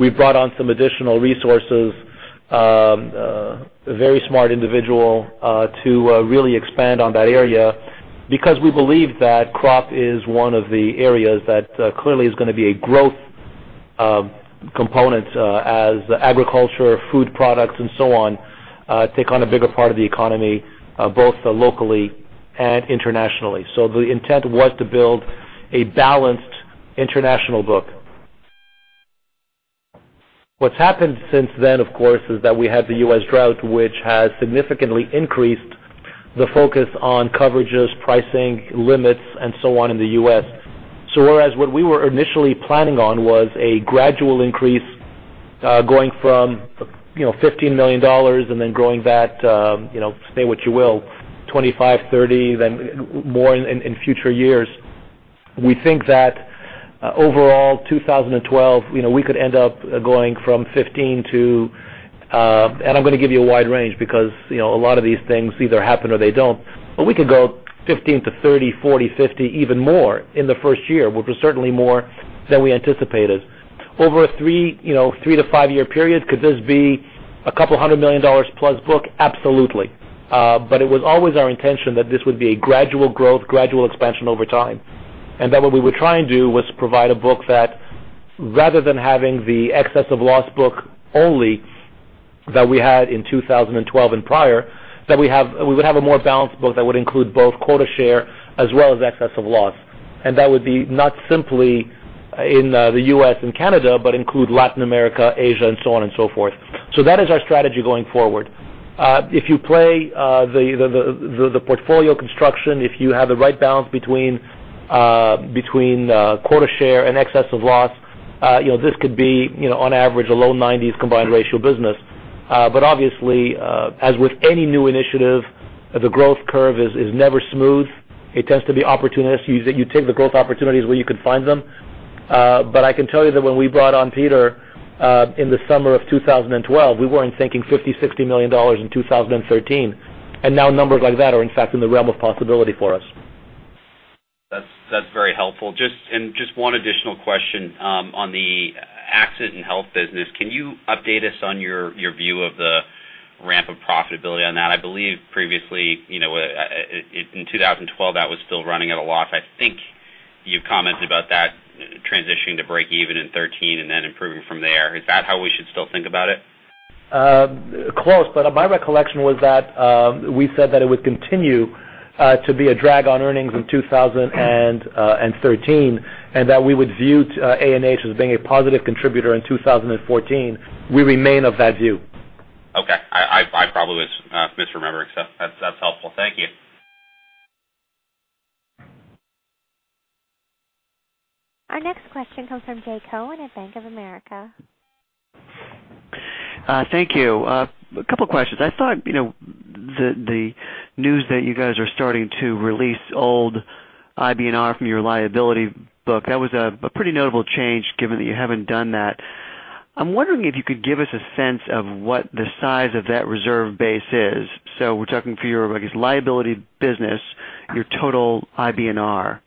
we brought on some additional resources, a very smart individual to really expand on that area because we believe that crop is one of the areas that clearly is going to be a growth component as agriculture, food products, and so on take on a bigger part of the economy, both locally and internationally. The intent was to build a balanced international book. What's happened since then, of course, is that we had the U.S. drought, which has significantly increased the focus on coverages, pricing limits, and so on in the U.S. Whereas what we were initially planning on was a gradual increase going from $15 million and then growing that, say what you will, $25, $30, then more in future years. We think that overall, 2012, we could end up going from $15 to $30, $40, $50, even more in the first year, which was certainly more than we anticipated. Over a three to five-year period, could this be a couple hundred million dollars plus book? Absolutely. It was always our intention that this would be a gradual growth, gradual expansion over time. That what we were trying to do was provide a book that rather than having the excess of loss book only that we had in 2012 and prior, that we would have a more balanced book that would include both quota share as well as excess of loss. That would be not simply in the U.S. and Canada, but include Latin America, Asia, and so on and so forth. That is our strategy going forward. If you play the portfolio construction, if you have the right balance between quota share and excess of loss, this could be on average a low 90s combined ratio business. Obviously, as with any new initiative, the growth curve is never smooth. It tends to be opportunistic. You take the growth opportunities where you can find them. I can tell you that when we brought on Peter in the summer of 2012, we weren't thinking $50 million, $60 million in 2013, and now numbers like that are in fact in the realm of possibility for us. That's very helpful. Just one additional question. On the Accident and Health business, can you update us on your view of the ramp of profitability on that? I believe previously, in 2012, that was still running at a loss. I think you commented about that transitioning to breakeven in 2013 and then improving from there. Is that how we should still think about it? Close, my recollection was that we said that it would continue to be a drag on earnings in 2013, and that we would view A&H as being a positive contributor in 2014. We remain of that view. Okay. I probably was misremembering, that's helpful. Thank you. Our next question comes from Jay Cohen at Bank of America. Thank you. A couple questions. I thought, the news that you guys are starting to release old IBNR from your liability book, that was a pretty notable change given that you haven't done that. I'm wondering if you could give us a sense of what the size of that reserve base is. We're talking for your, I guess, liability business, your total IBNR.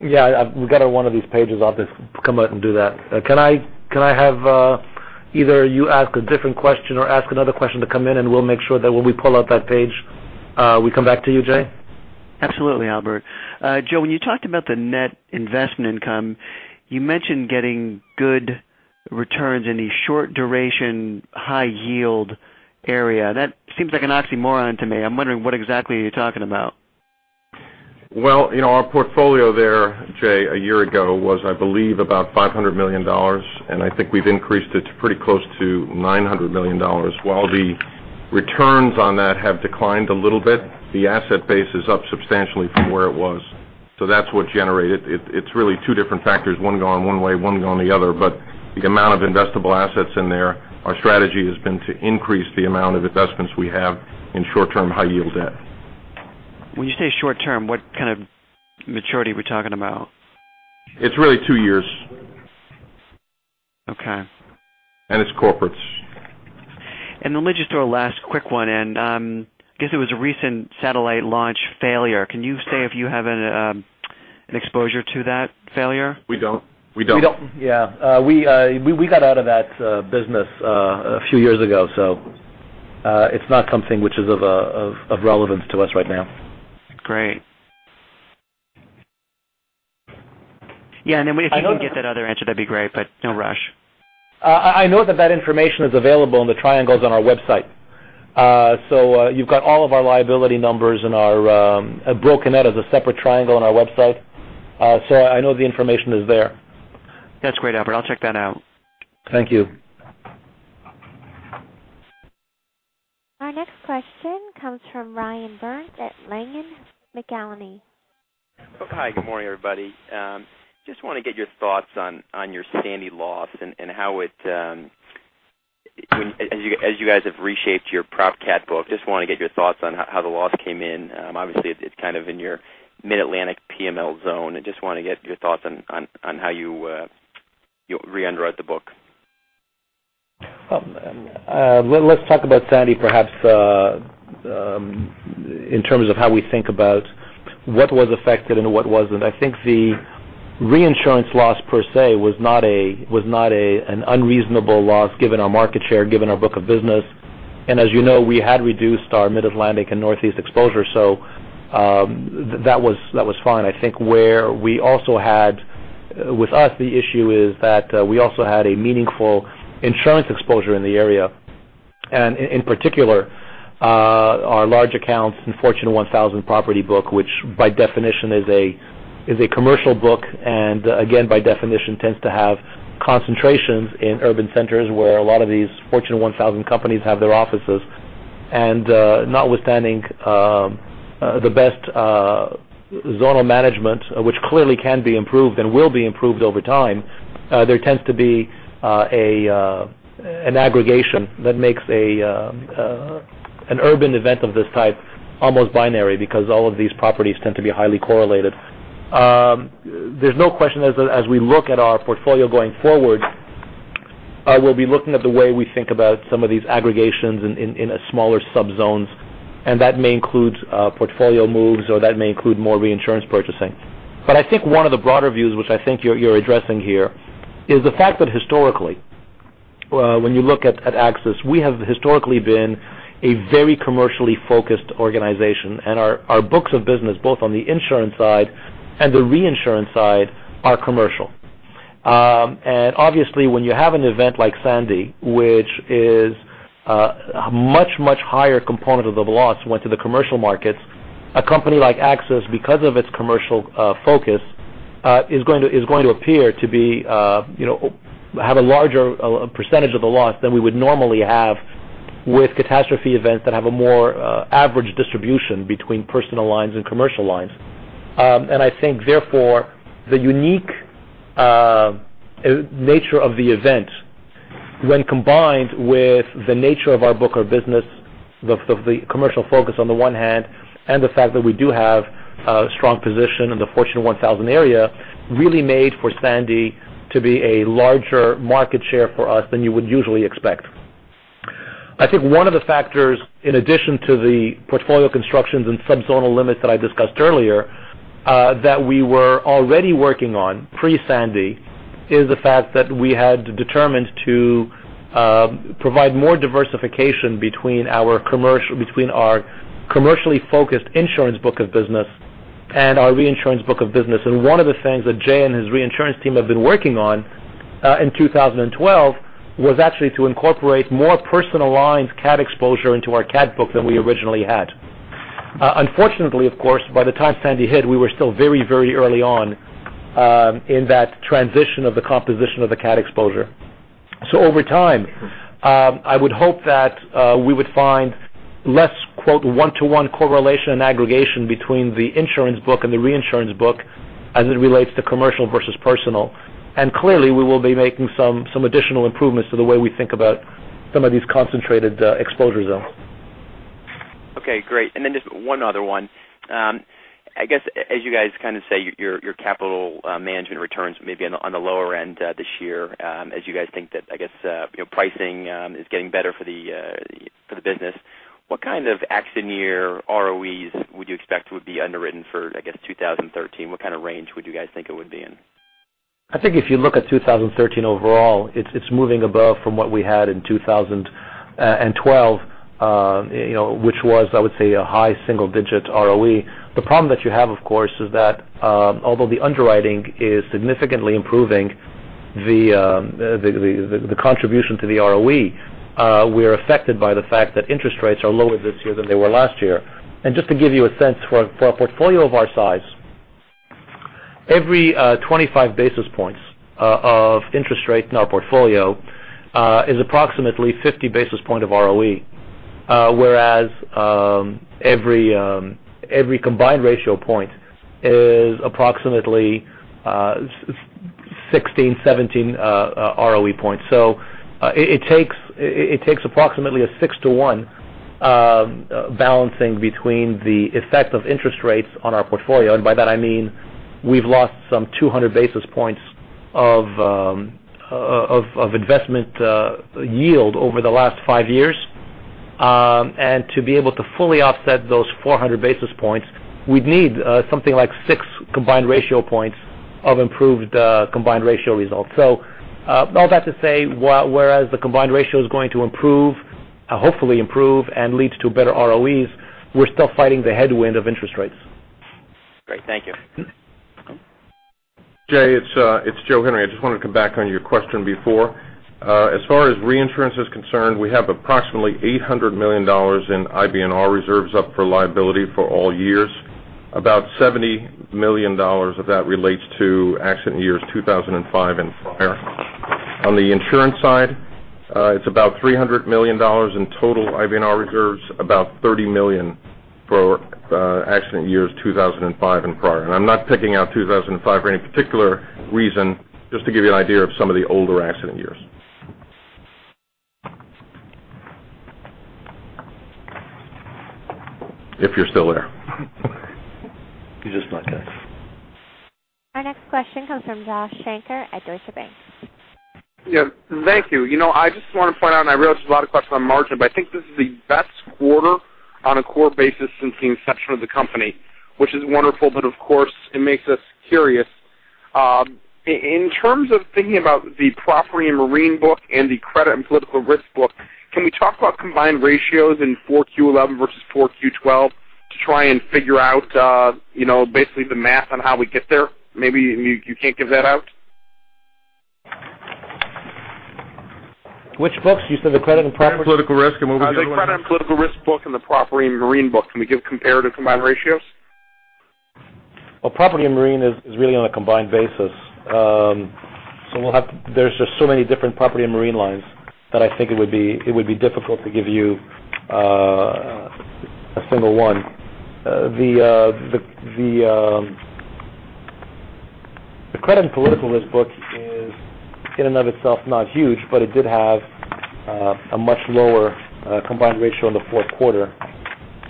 Yeah, we got one of these pages. I'll just come out and do that. Can I have either you ask a different question or ask another question to come in, and we'll make sure that when we pull up that page, we come back to you, Jay? Absolutely, Albert. Joe, when you talked about the net investment income, you mentioned getting good returns in the short duration, high yield area. That seems like an oxymoron to me. I'm wondering what exactly you're talking about. Well, our portfolio there, Jay, a year ago was, I believe, about $500 million, and I think we've increased it to pretty close to $900 million. While the returns on that have declined a little bit, the asset base is up substantially from where it was. That's what generated. It's really two different factors, one going one way, one going the other. The amount of investable assets in there, our strategy has been to increase the amount of investments we have in short-term high-yield debt. When you say short-term, what kind of maturity are we talking about? It's really two years. Okay. It's corporates. Let me just throw a last quick one in. I guess there was a recent satellite launch failure. Can you say if you have an exposure to that failure? We don't. We don't. Yeah. We got out of that business a few years ago, so it's not something which is of relevance to us right now. Great. Yeah, if you can get that other answer, that'd be great, but no rush. I know that that information is available in the triangles on our website. You've got all of our liability numbers broken out as a separate triangle on our website. I know the information is there. That's great, Albert. I'll check that out. Thank you. Our next question comes from Ryan Burns at Langen McAlenney. Hi, good morning, everybody. Just want to get your thoughts on your Superstorm Sandy loss and how it, as you guys have reshaped your prop cat book, just want to get your thoughts on how the loss came in. Obviously, it's kind of in your Mid-Atlantic PML zone. I just want to get your thoughts on how you re-underwrite the book. Let's talk about Sandy perhaps in terms of how we think about what was affected and what wasn't. I think the reinsurance loss per se was not an unreasonable loss given our market share, given our book of business. As you know, we had reduced our Mid-Atlantic and Northeast exposure, so that was fine. I think with us, the issue is that we also had a meaningful insurance exposure in the area. In particular, our large accounts in Fortune 1000 property book, which by definition is a commercial book, and again, by definition tends to have concentrations in urban centers where a lot of these Fortune 1000 companies have their offices. Notwithstanding the best zonal management, which clearly can be improved and will be improved over time, there tends to be an aggregation that makes an urban event of this type almost binary because all of these properties tend to be highly correlated. There's no question as we look at our portfolio going forward, we'll be looking at the way we think about some of these aggregations in smaller subzones, and that may include portfolio moves or that may include more reinsurance purchasing. I think one of the broader views which I think you're addressing here is the fact that historically, when you look at AXIS, we have historically been a very commercially focused organization, and our books of business, both on the insurance side and the reinsurance side, are commercial. Obviously, when you have an event like Sandy, which is a much, much higher component of the loss went to the commercial markets, a company like AXIS, because of its commercial focus is going to appear to have a larger percentage of the loss than we would normally have with catastrophe events that have a more average distribution between personal lines and commercial lines. I think therefore, the unique nature of the event, when combined with the nature of our book of business, the commercial focus on the one hand, and the fact that we do have a strong position in the Fortune 1000 area, really made for Sandy to be a larger market share for us than you would usually expect. I think one of the factors, in addition to the portfolio constructions and sub-zonal limits that I discussed earlier, that we were already working on pre-Sandy, is the fact that we had determined to provide more diversification between our commercially focused insurance book of business and our reinsurance book of business. One of the things that Jay and his reinsurance team have been working on in 2012 was actually to incorporate more personal lines cat exposure into our cat book than we originally had. Unfortunately, of course, by the time Sandy hit, we were still very early on in that transition of the composition of the cat exposure. Over time, I would hope that we would find less "one-to-one correlation and aggregation" between the insurance book and the reinsurance book as it relates to commercial versus personal. Clearly, we will be making some additional improvements to the way we think about some of these concentrated exposure zones. Okay, great. Just one other one. I guess, as you guys kind of say, your capital management returns may be on the lower end this year, as you guys think that pricing is getting better for the business. What kind of accident year ROEs would you expect would be underwritten for 2013? What kind of range would you guys think it would be in? I think if you look at 2013 overall, it's moving above from what we had in 2012, which was, I would say, a high single-digit ROE. The problem that you have, of course, is that although the underwriting is significantly improving the contribution to the ROE, we are affected by the fact that interest rates are lower this year than they were last year. Just to give you a sense, for a portfolio of our size, every 25 basis points of interest rate in our portfolio is approximately 50 basis point of ROE whereas every combined ratio point is approximately 16, 17 ROE points. It takes approximately a six to one balancing between the effect of interest rates on our portfolio, and by that I mean we've lost some 200 basis points of investment yield over the last five years. To be able to fully offset those 400 basis points, we'd need something like six combined ratio points of improved combined ratio results. All that to say, whereas the combined ratio is going to hopefully improve and leads to better ROEs, we're still fighting the headwind of interest rates. Great. Thank you. Jay, it's Joe Henry. I just wanted to come back on your question before. As far as reinsurance is concerned, we have approximately $800 million in IBNR reserves up for liability for all years. About $70 million of that relates to accident years 2005 and prior. On the insurance side, it's about $300 million in total IBNR reserves, about $30 million for accident years 2005 and prior. I'm not picking out 2005 for any particular reason, just to give you an idea of some of the older accident years. If you're still there. He's just not there. Our next question comes from Josh Shanker at Deutsche Bank. Yeah. Thank you. I just want to point out, I realize there's a lot of questions on margin, I think this is the best quarter on a core basis since the inception of the company, which is wonderful, of course, it makes us curious. In terms of thinking about the property and marine book and the credit and political risk book, can we talk about combined ratios in 4Q11 versus 4Q12 to try and figure out basically the math on how we get there? Maybe you can't give that out. Which books? You said the credit and property? Political risk. What were the other ones? The credit and political risk book and the property and marine book. Can we give comparative combined ratios? Well, property and marine is really on a combined basis. There's just so many different property and marine lines that I think it would be difficult to give you a single one. The credit and political risk book is in and of itself not huge, but it did have a much lower combined ratio in the fourth quarter.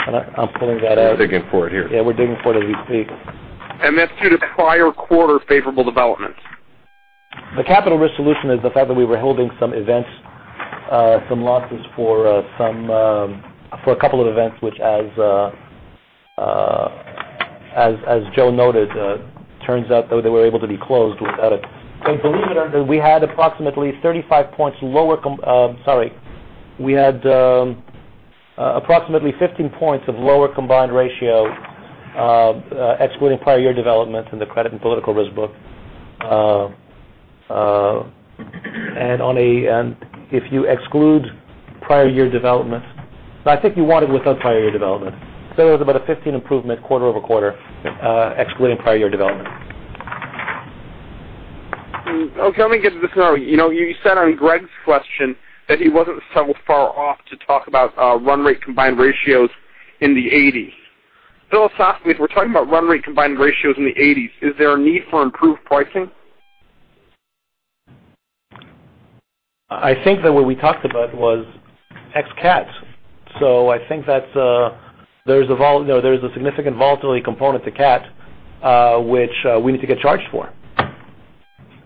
I'm pulling that out. We're digging for it here. Yeah, we're digging for it as we speak. That's due to prior quarter favorable developments? The capital risk solution is the fact that we were holding some losses for a couple of events, which as Joe noted, turns out though they were able to be closed without. I believe we had approximately 35 points lower. We had approximately 15 points of lower combined ratio, excluding prior year development in the credit and political risk book. If you exclude prior year development. No, I think you want it without prior year development. It was about a 15 improvement quarter-over-quarter, excluding prior year development. Okay. Let me get to the scenario. You said on Greg's question that he wasn't so far off to talk about run rate combined ratios in the 80s. I'll just ask, if we're talking about run rate combined ratios in the 80s, is there a need for improved pricing? I think that what we talked about was ex cat. I think there's a significant volatility component to cat, which we need to get charged for.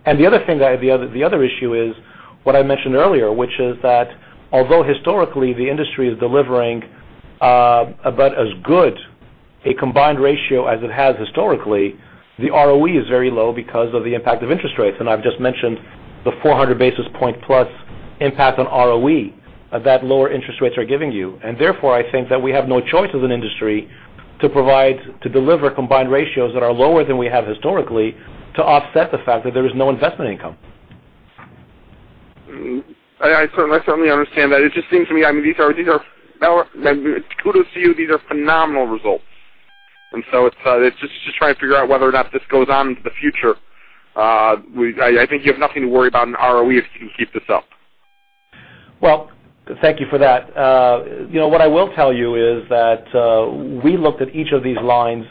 The other issue is what I mentioned earlier, which is that although historically the industry is delivering about as good a combined ratio as it has historically, the ROE is very low because of the impact of interest rates. I've just mentioned the 400 basis point plus impact on ROE that lower interest rates are giving you. Therefore, I think that we have no choice as an industry to deliver combined ratios that are lower than we have historically to offset the fact that there is no investment income. I certainly understand that. It just seems to me, kudos to you. These are phenomenal results. It's just trying to figure out whether or not this goes on into the future. I think you have nothing to worry about in ROE if you can keep this up. Well, thank you for that. What I will tell you is that we looked at each of these lines.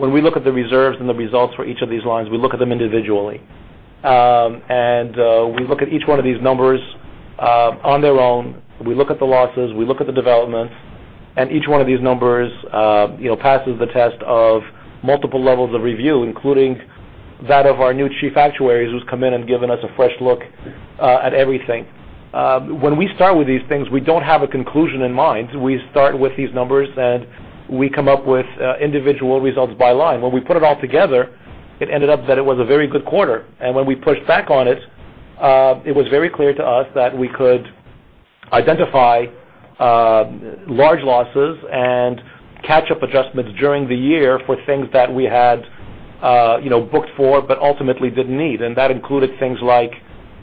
When we look at the reserves and the results for each of these lines, we look at them individually. We look at each one of these numbers on their own. We look at the losses, we look at the developments. Each one of these numbers passes the test of multiple levels of review, including that of our new chief actuaries, who's come in and given us a fresh look at everything. When we start with these things, we don't have a conclusion in mind. We start with these numbers and we come up with individual results by line. When we put it all together, it ended up that it was a very good quarter. When we pushed back on it was very clear to us that we could identify large losses and catch-up adjustments during the year for things that we had booked for but ultimately didn't need. That included things like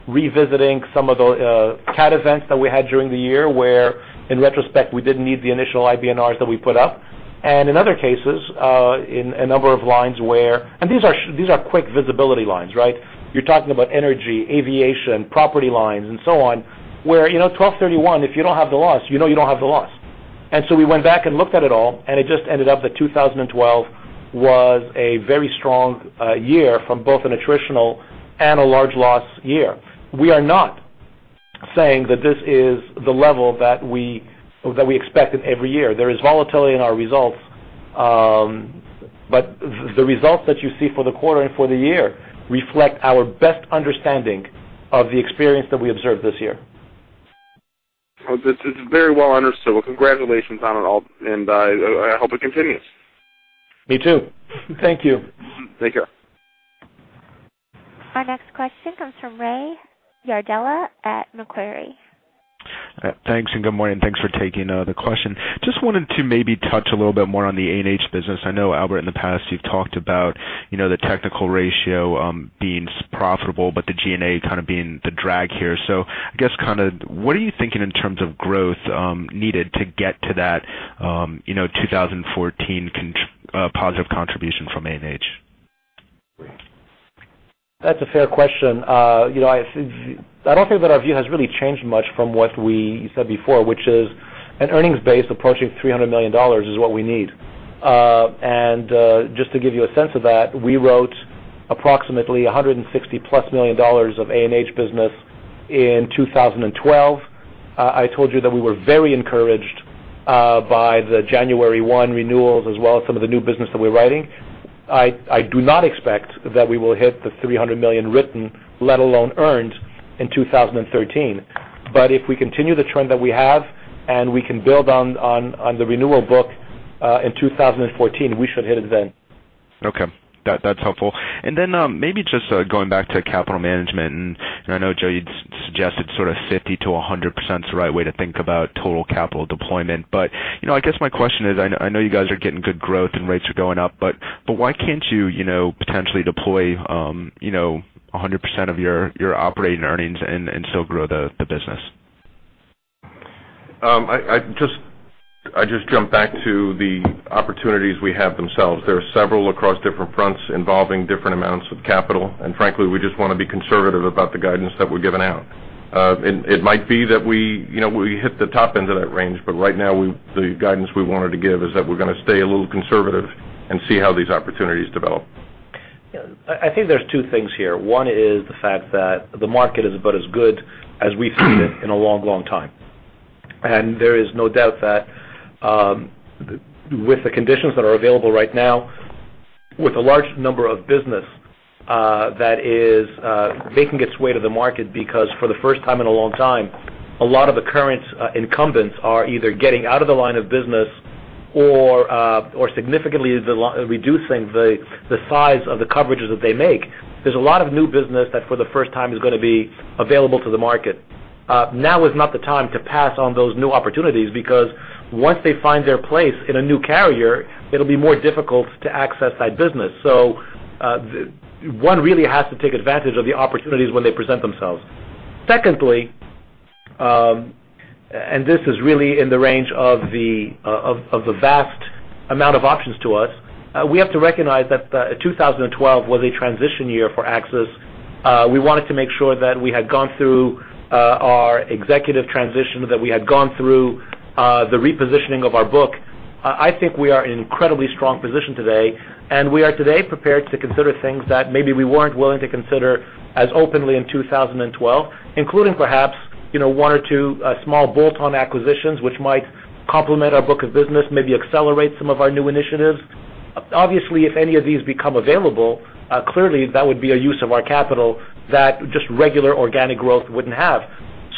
revisiting some of the cat events that we had during the year, where in retrospect, we didn't need the initial IBNRs that we put up. In other cases, in a number of lines where these are quick visibility lines, right? You're talking about energy, aviation, property lines, and so on, where 1231, if you don't have the loss, you know you don't have the loss. We went back and looked at it all. It just ended up that 2012 was a very strong year from both an attritional and a large loss year. We are not saying that this is the level that we expect it every year. There is volatility in our results. The results that you see for the quarter and for the year reflect our best understanding of the experience that we observed this year. This is very well understood. Well, congratulations on it all, and I hope it continues. Me too. Thank you. Take care. Our next question comes from Ray Yardella at Macquarie. Thanks, and good morning. Thanks for taking the question. Just wanted to maybe touch a little bit more on the A&H business. I know, Albert, in the past you've talked about the technical ratio being profitable, but the G&A kind of being the drag here. I guess, what are you thinking in terms of growth needed to get to that 2014 positive contribution from A&H? That's a fair question. I don't think that our view has really changed much from what we said before, which is an earnings base approaching $300 million is what we need. Just to give you a sense of that, we wrote approximately $160 plus million of A&H business in 2012. I told you that we were very encouraged by the January 1 renewals as well as some of the new business that we're writing. I do not expect that we will hit the $300 million written, let alone earned, in 2013. If we continue the trend that we have and we can build on the renewal book in 2014, we should hit it then. Okay. That's helpful. Maybe just going back to capital management, and I know, Joe, you'd suggested sort of 50%-100% is the right way to think about total capital deployment. I guess my question is, I know you guys are getting good growth and rates are going up, but why can't you potentially deploy 100% of your operating earnings and still grow the business? I just jump back to the opportunities we have themselves. There are several across different fronts involving different amounts of capital. Frankly, we just want to be conservative about the guidance that we're giving out. It might be that we hit the top end of that range, but right now, the guidance we wanted to give is that we're going to stay a little conservative and see how these opportunities develop. I think there's two things here. One is the fact that the market is about as good as we've seen it in a long, long time. There is no doubt that with the conditions that are available right now, with a large number of business that is making its way to the market because for the first time in a long time, a lot of the current incumbents are either getting out of the line of business or significantly reducing the size of the coverages that they make. There's a lot of new business that for the first time is going to be available to the market. Now is not the time to pass on those new opportunities, because once they find their place in a new carrier, it'll be more difficult to access that business. One really has to take advantage of the opportunities when they present themselves. Secondly, this is really in the range of the vast amount of options to us, we have to recognize that 2012 was a transition year for AXIS. We wanted to make sure that we had gone through our executive transition, that we had gone through the repositioning of our book. I think we are in incredibly strong position today, and we are today prepared to consider things that maybe we weren't willing to consider as openly in 2012, including perhaps, one or two small bolt-on acquisitions, which might complement our book of business, maybe accelerate some of our new initiatives. Obviously, if any of these become available, clearly that would be a use of our capital that just regular organic growth wouldn't have.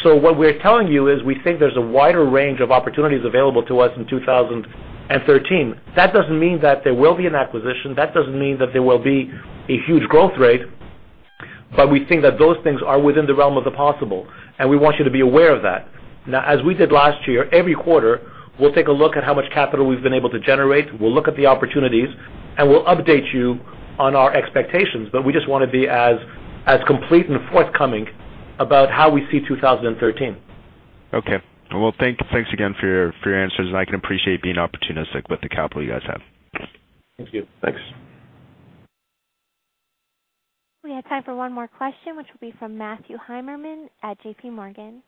What we're telling you is we think there's a wider range of opportunities available to us in 2013. That doesn't mean that there will be an acquisition. That doesn't mean that there will be a huge growth rate. We think that those things are within the realm of the possible, and we want you to be aware of that. Now, as we did last year, every quarter, we'll take a look at how much capital we've been able to generate, we'll look at the opportunities, and we'll update you on our expectations. We just want to be as complete and forthcoming about how we see 2013. Okay. Well, thanks again for your answers, and I can appreciate being opportunistic with the capital you guys have. Thank you. Thanks. We have time for one more question, which will be from Matthew Heimermann at J.P. Morgan.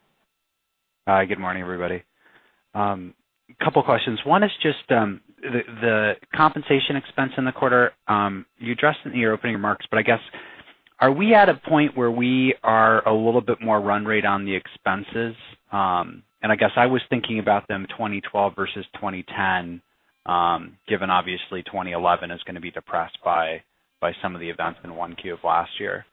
Hi, good morning, everybody. Couple of questions. One is just the compensation expense in the quarter. You addressed it in your opening remarks, but I guess, are we at a point where we are a little bit more run rate on the expenses? I guess I was thinking about them 2012 versus 2010, given obviously 2011 is going to be depressed by some of the events in one Q of last year.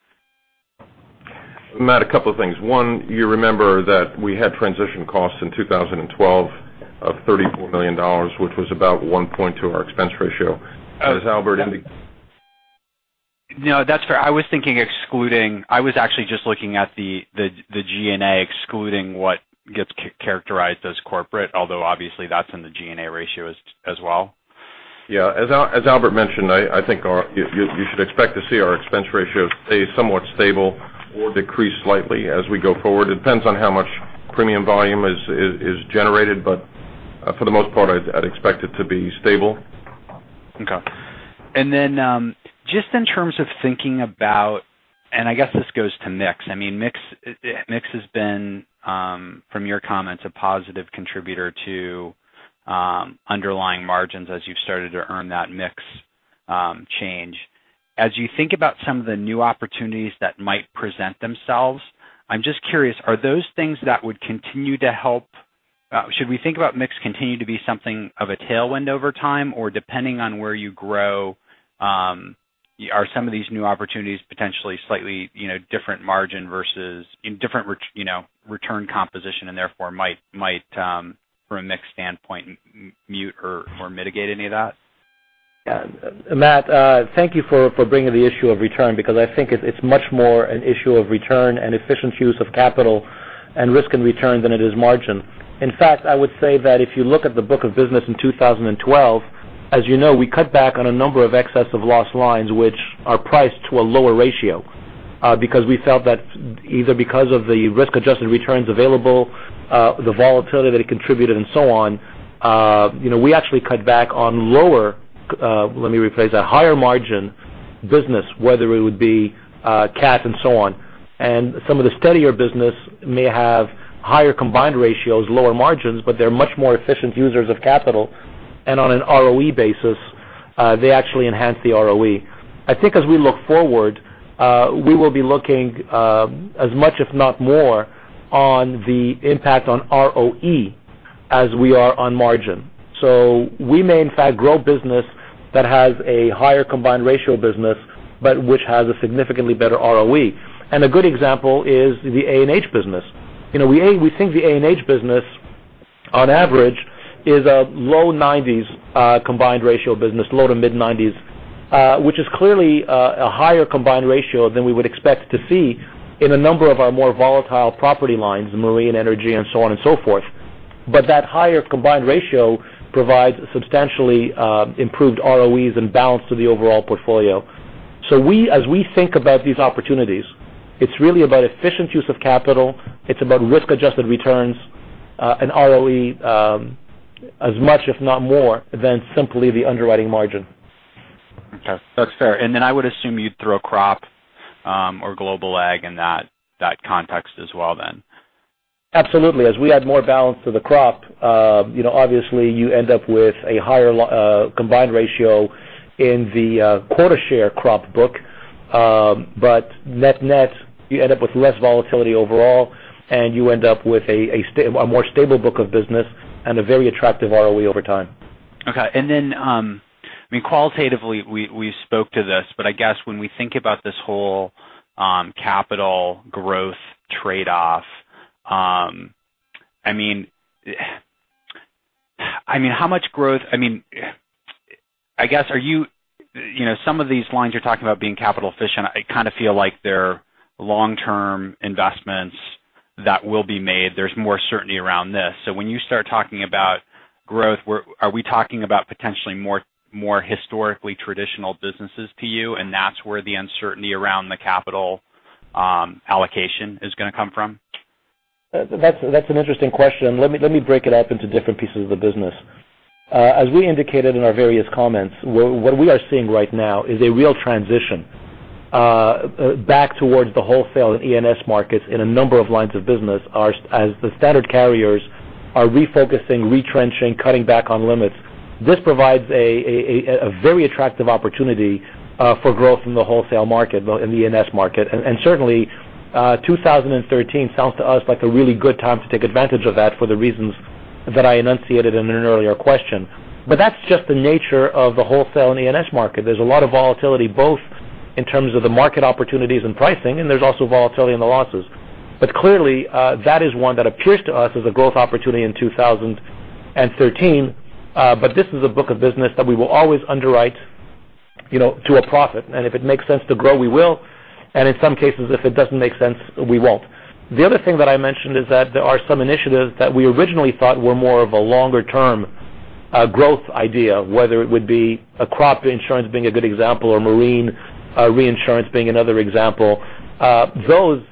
Matt, a couple of things. One, you remember that we had transition costs in 2012 of $34 million, which was about 1.2 our expense ratio. As Albert indicated. That's fair. I was actually just looking at the G&A excluding what gets characterized as corporate, although obviously that's in the G&A ratio as well. Yeah. As Albert mentioned, I think you should expect to see our expense ratio stay somewhat stable or decrease slightly as we go forward. It depends on how much premium volume is generated. For the most part, I'd expect it to be stable. Okay. Just in terms of thinking about, and I guess this goes to mix. Mix has been, from your comments, a positive contributor to underlying margins as you've started to earn that mix change. As you think about some of the new opportunities that might present themselves, I'm just curious, are those things that would continue to help? Should we think about mix continuing to be something of a tailwind over time? Depending on where you grow, are some of these new opportunities potentially slightly different margin versus in different return composition and therefore might, from a mix standpoint, mute or mitigate any of that? Yeah. Matthew, thank you for bringing the issue of return because I think it's much more an issue of return and efficient use of capital and risk and return than it is margin. In fact, I would say that if you look at the book of business in 2012, as you know, we cut back on a number of excess of loss lines which are priced to a lower ratio because we felt that either because of the risk-adjusted returns available, the volatility that it contributed and so on, we actually cut back on lower, let me rephrase that, higher margin business, whether it would be CAT and so on. Some of the steadier business may have higher combined ratios, lower margins, but they're much more efficient users of capital. On an ROE basis, they actually enhance the ROE. I think as we look forward, we will be looking as much, if not more, on the impact on ROE as we are on margin. We may, in fact, grow business that has a higher combined ratio business, but which has a significantly better ROE. A good example is the A&H business. We think the A&H business, on average, is a low 90s combined ratio business, low to mid 90s, which is clearly a higher combined ratio than we would expect to see in a number of our more volatile property lines, marine energy and so on and so forth. That higher combined ratio provides substantially improved ROEs and balance to the overall portfolio. As we think about these opportunities, it's really about efficient use of capital. It's about risk-adjusted returns and ROE as much, if not more, than simply the underwriting margin. Okay, that's fair. I would assume you'd throw crop or global ag in that context as well then. Absolutely. As we add more balance to the crop, obviously you end up with a higher combined ratio in the quota share crop book. Net-net, you end up with less volatility overall, and you end up with a more stable book of business and a very attractive ROE over time. Okay. Qualitatively, we spoke to this, but I guess when we think about this whole capital growth trade-off, I mean How much growth? Some of these lines you're talking about being capital efficient, I kind of feel like they're long-term investments that will be made. There's more certainty around this. When you start talking about growth, are we talking about potentially more historically traditional businesses to you, and that's where the uncertainty around the capital allocation is going to come from? That's an interesting question. Let me break it up into different pieces of the business. As we indicated in our various comments, what we are seeing right now is a real transition back towards the wholesale and E&S markets in a number of lines of business as the standard carriers are refocusing, retrenching, cutting back on limits. This provides a very attractive opportunity for growth in the wholesale market, in the E&S market. Certainly, 2013 sounds to us like a really good time to take advantage of that for the reasons that I enunciated in an earlier question. That's just the nature of the wholesale and E&S market. There's a lot of volatility, both in terms of the market opportunities and pricing, and there's also volatility in the losses. Clearly, that is one that appears to us as a growth opportunity in 2013. This is a book of business that we will always underwrite to a profit. If it makes sense to grow, we will. In some cases, if it doesn't make sense, we won't. The other thing that I mentioned is that there are some initiatives that we originally thought were more of a longer-term growth idea, whether it would be crop insurance being a good example, or marine reinsurance being another example. Those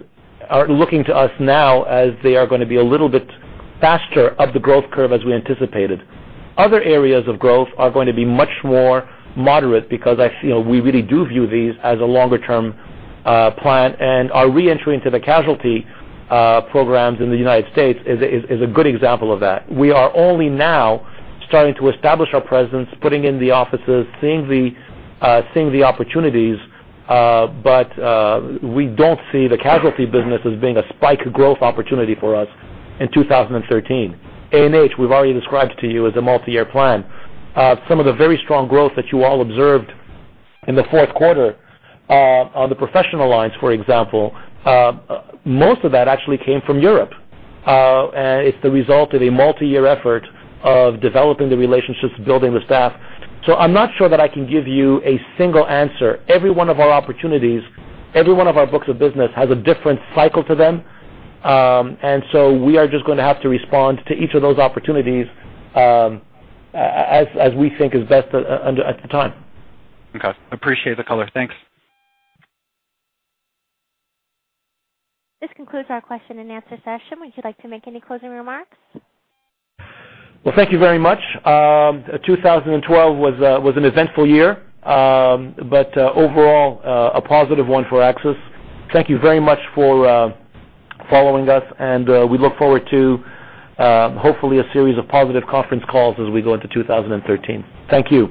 are looking to us now as they are going to be a little bit faster up the growth curve as we anticipated. Other areas of growth are going to be much more moderate because we really do view these as a longer-term plan, and our re-entry into the casualty programs in the U.S. is a good example of that. We are only now starting to establish our presence, putting in the offices, seeing the opportunities. We don't see the casualty business as being a spike growth opportunity for us in 2013. A&H, we've already described to you as a multi-year plan. Some of the very strong growth that you all observed in the fourth quarter on the professional lines, for example, most of that actually came from Europe. It's the result of a multi-year effort of developing the relationships, building the staff. I'm not sure that I can give you a single answer. Every one of our opportunities, every one of our books of business has a different cycle to them. We are just going to have to respond to each of those opportunities as we think is best at the time. Okay. Appreciate the color. Thanks. This concludes our question and answer session. Would you like to make any closing remarks? Well, thank you very much. 2012 was an eventful year but overall, a positive one for AXIS. Thank you very much for following us, and we look forward to hopefully a series of positive conference calls as we go into 2013. Thank you.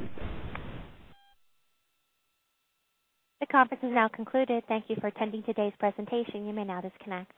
The conference is now concluded. Thank you for attending today's presentation. You may now disconnect.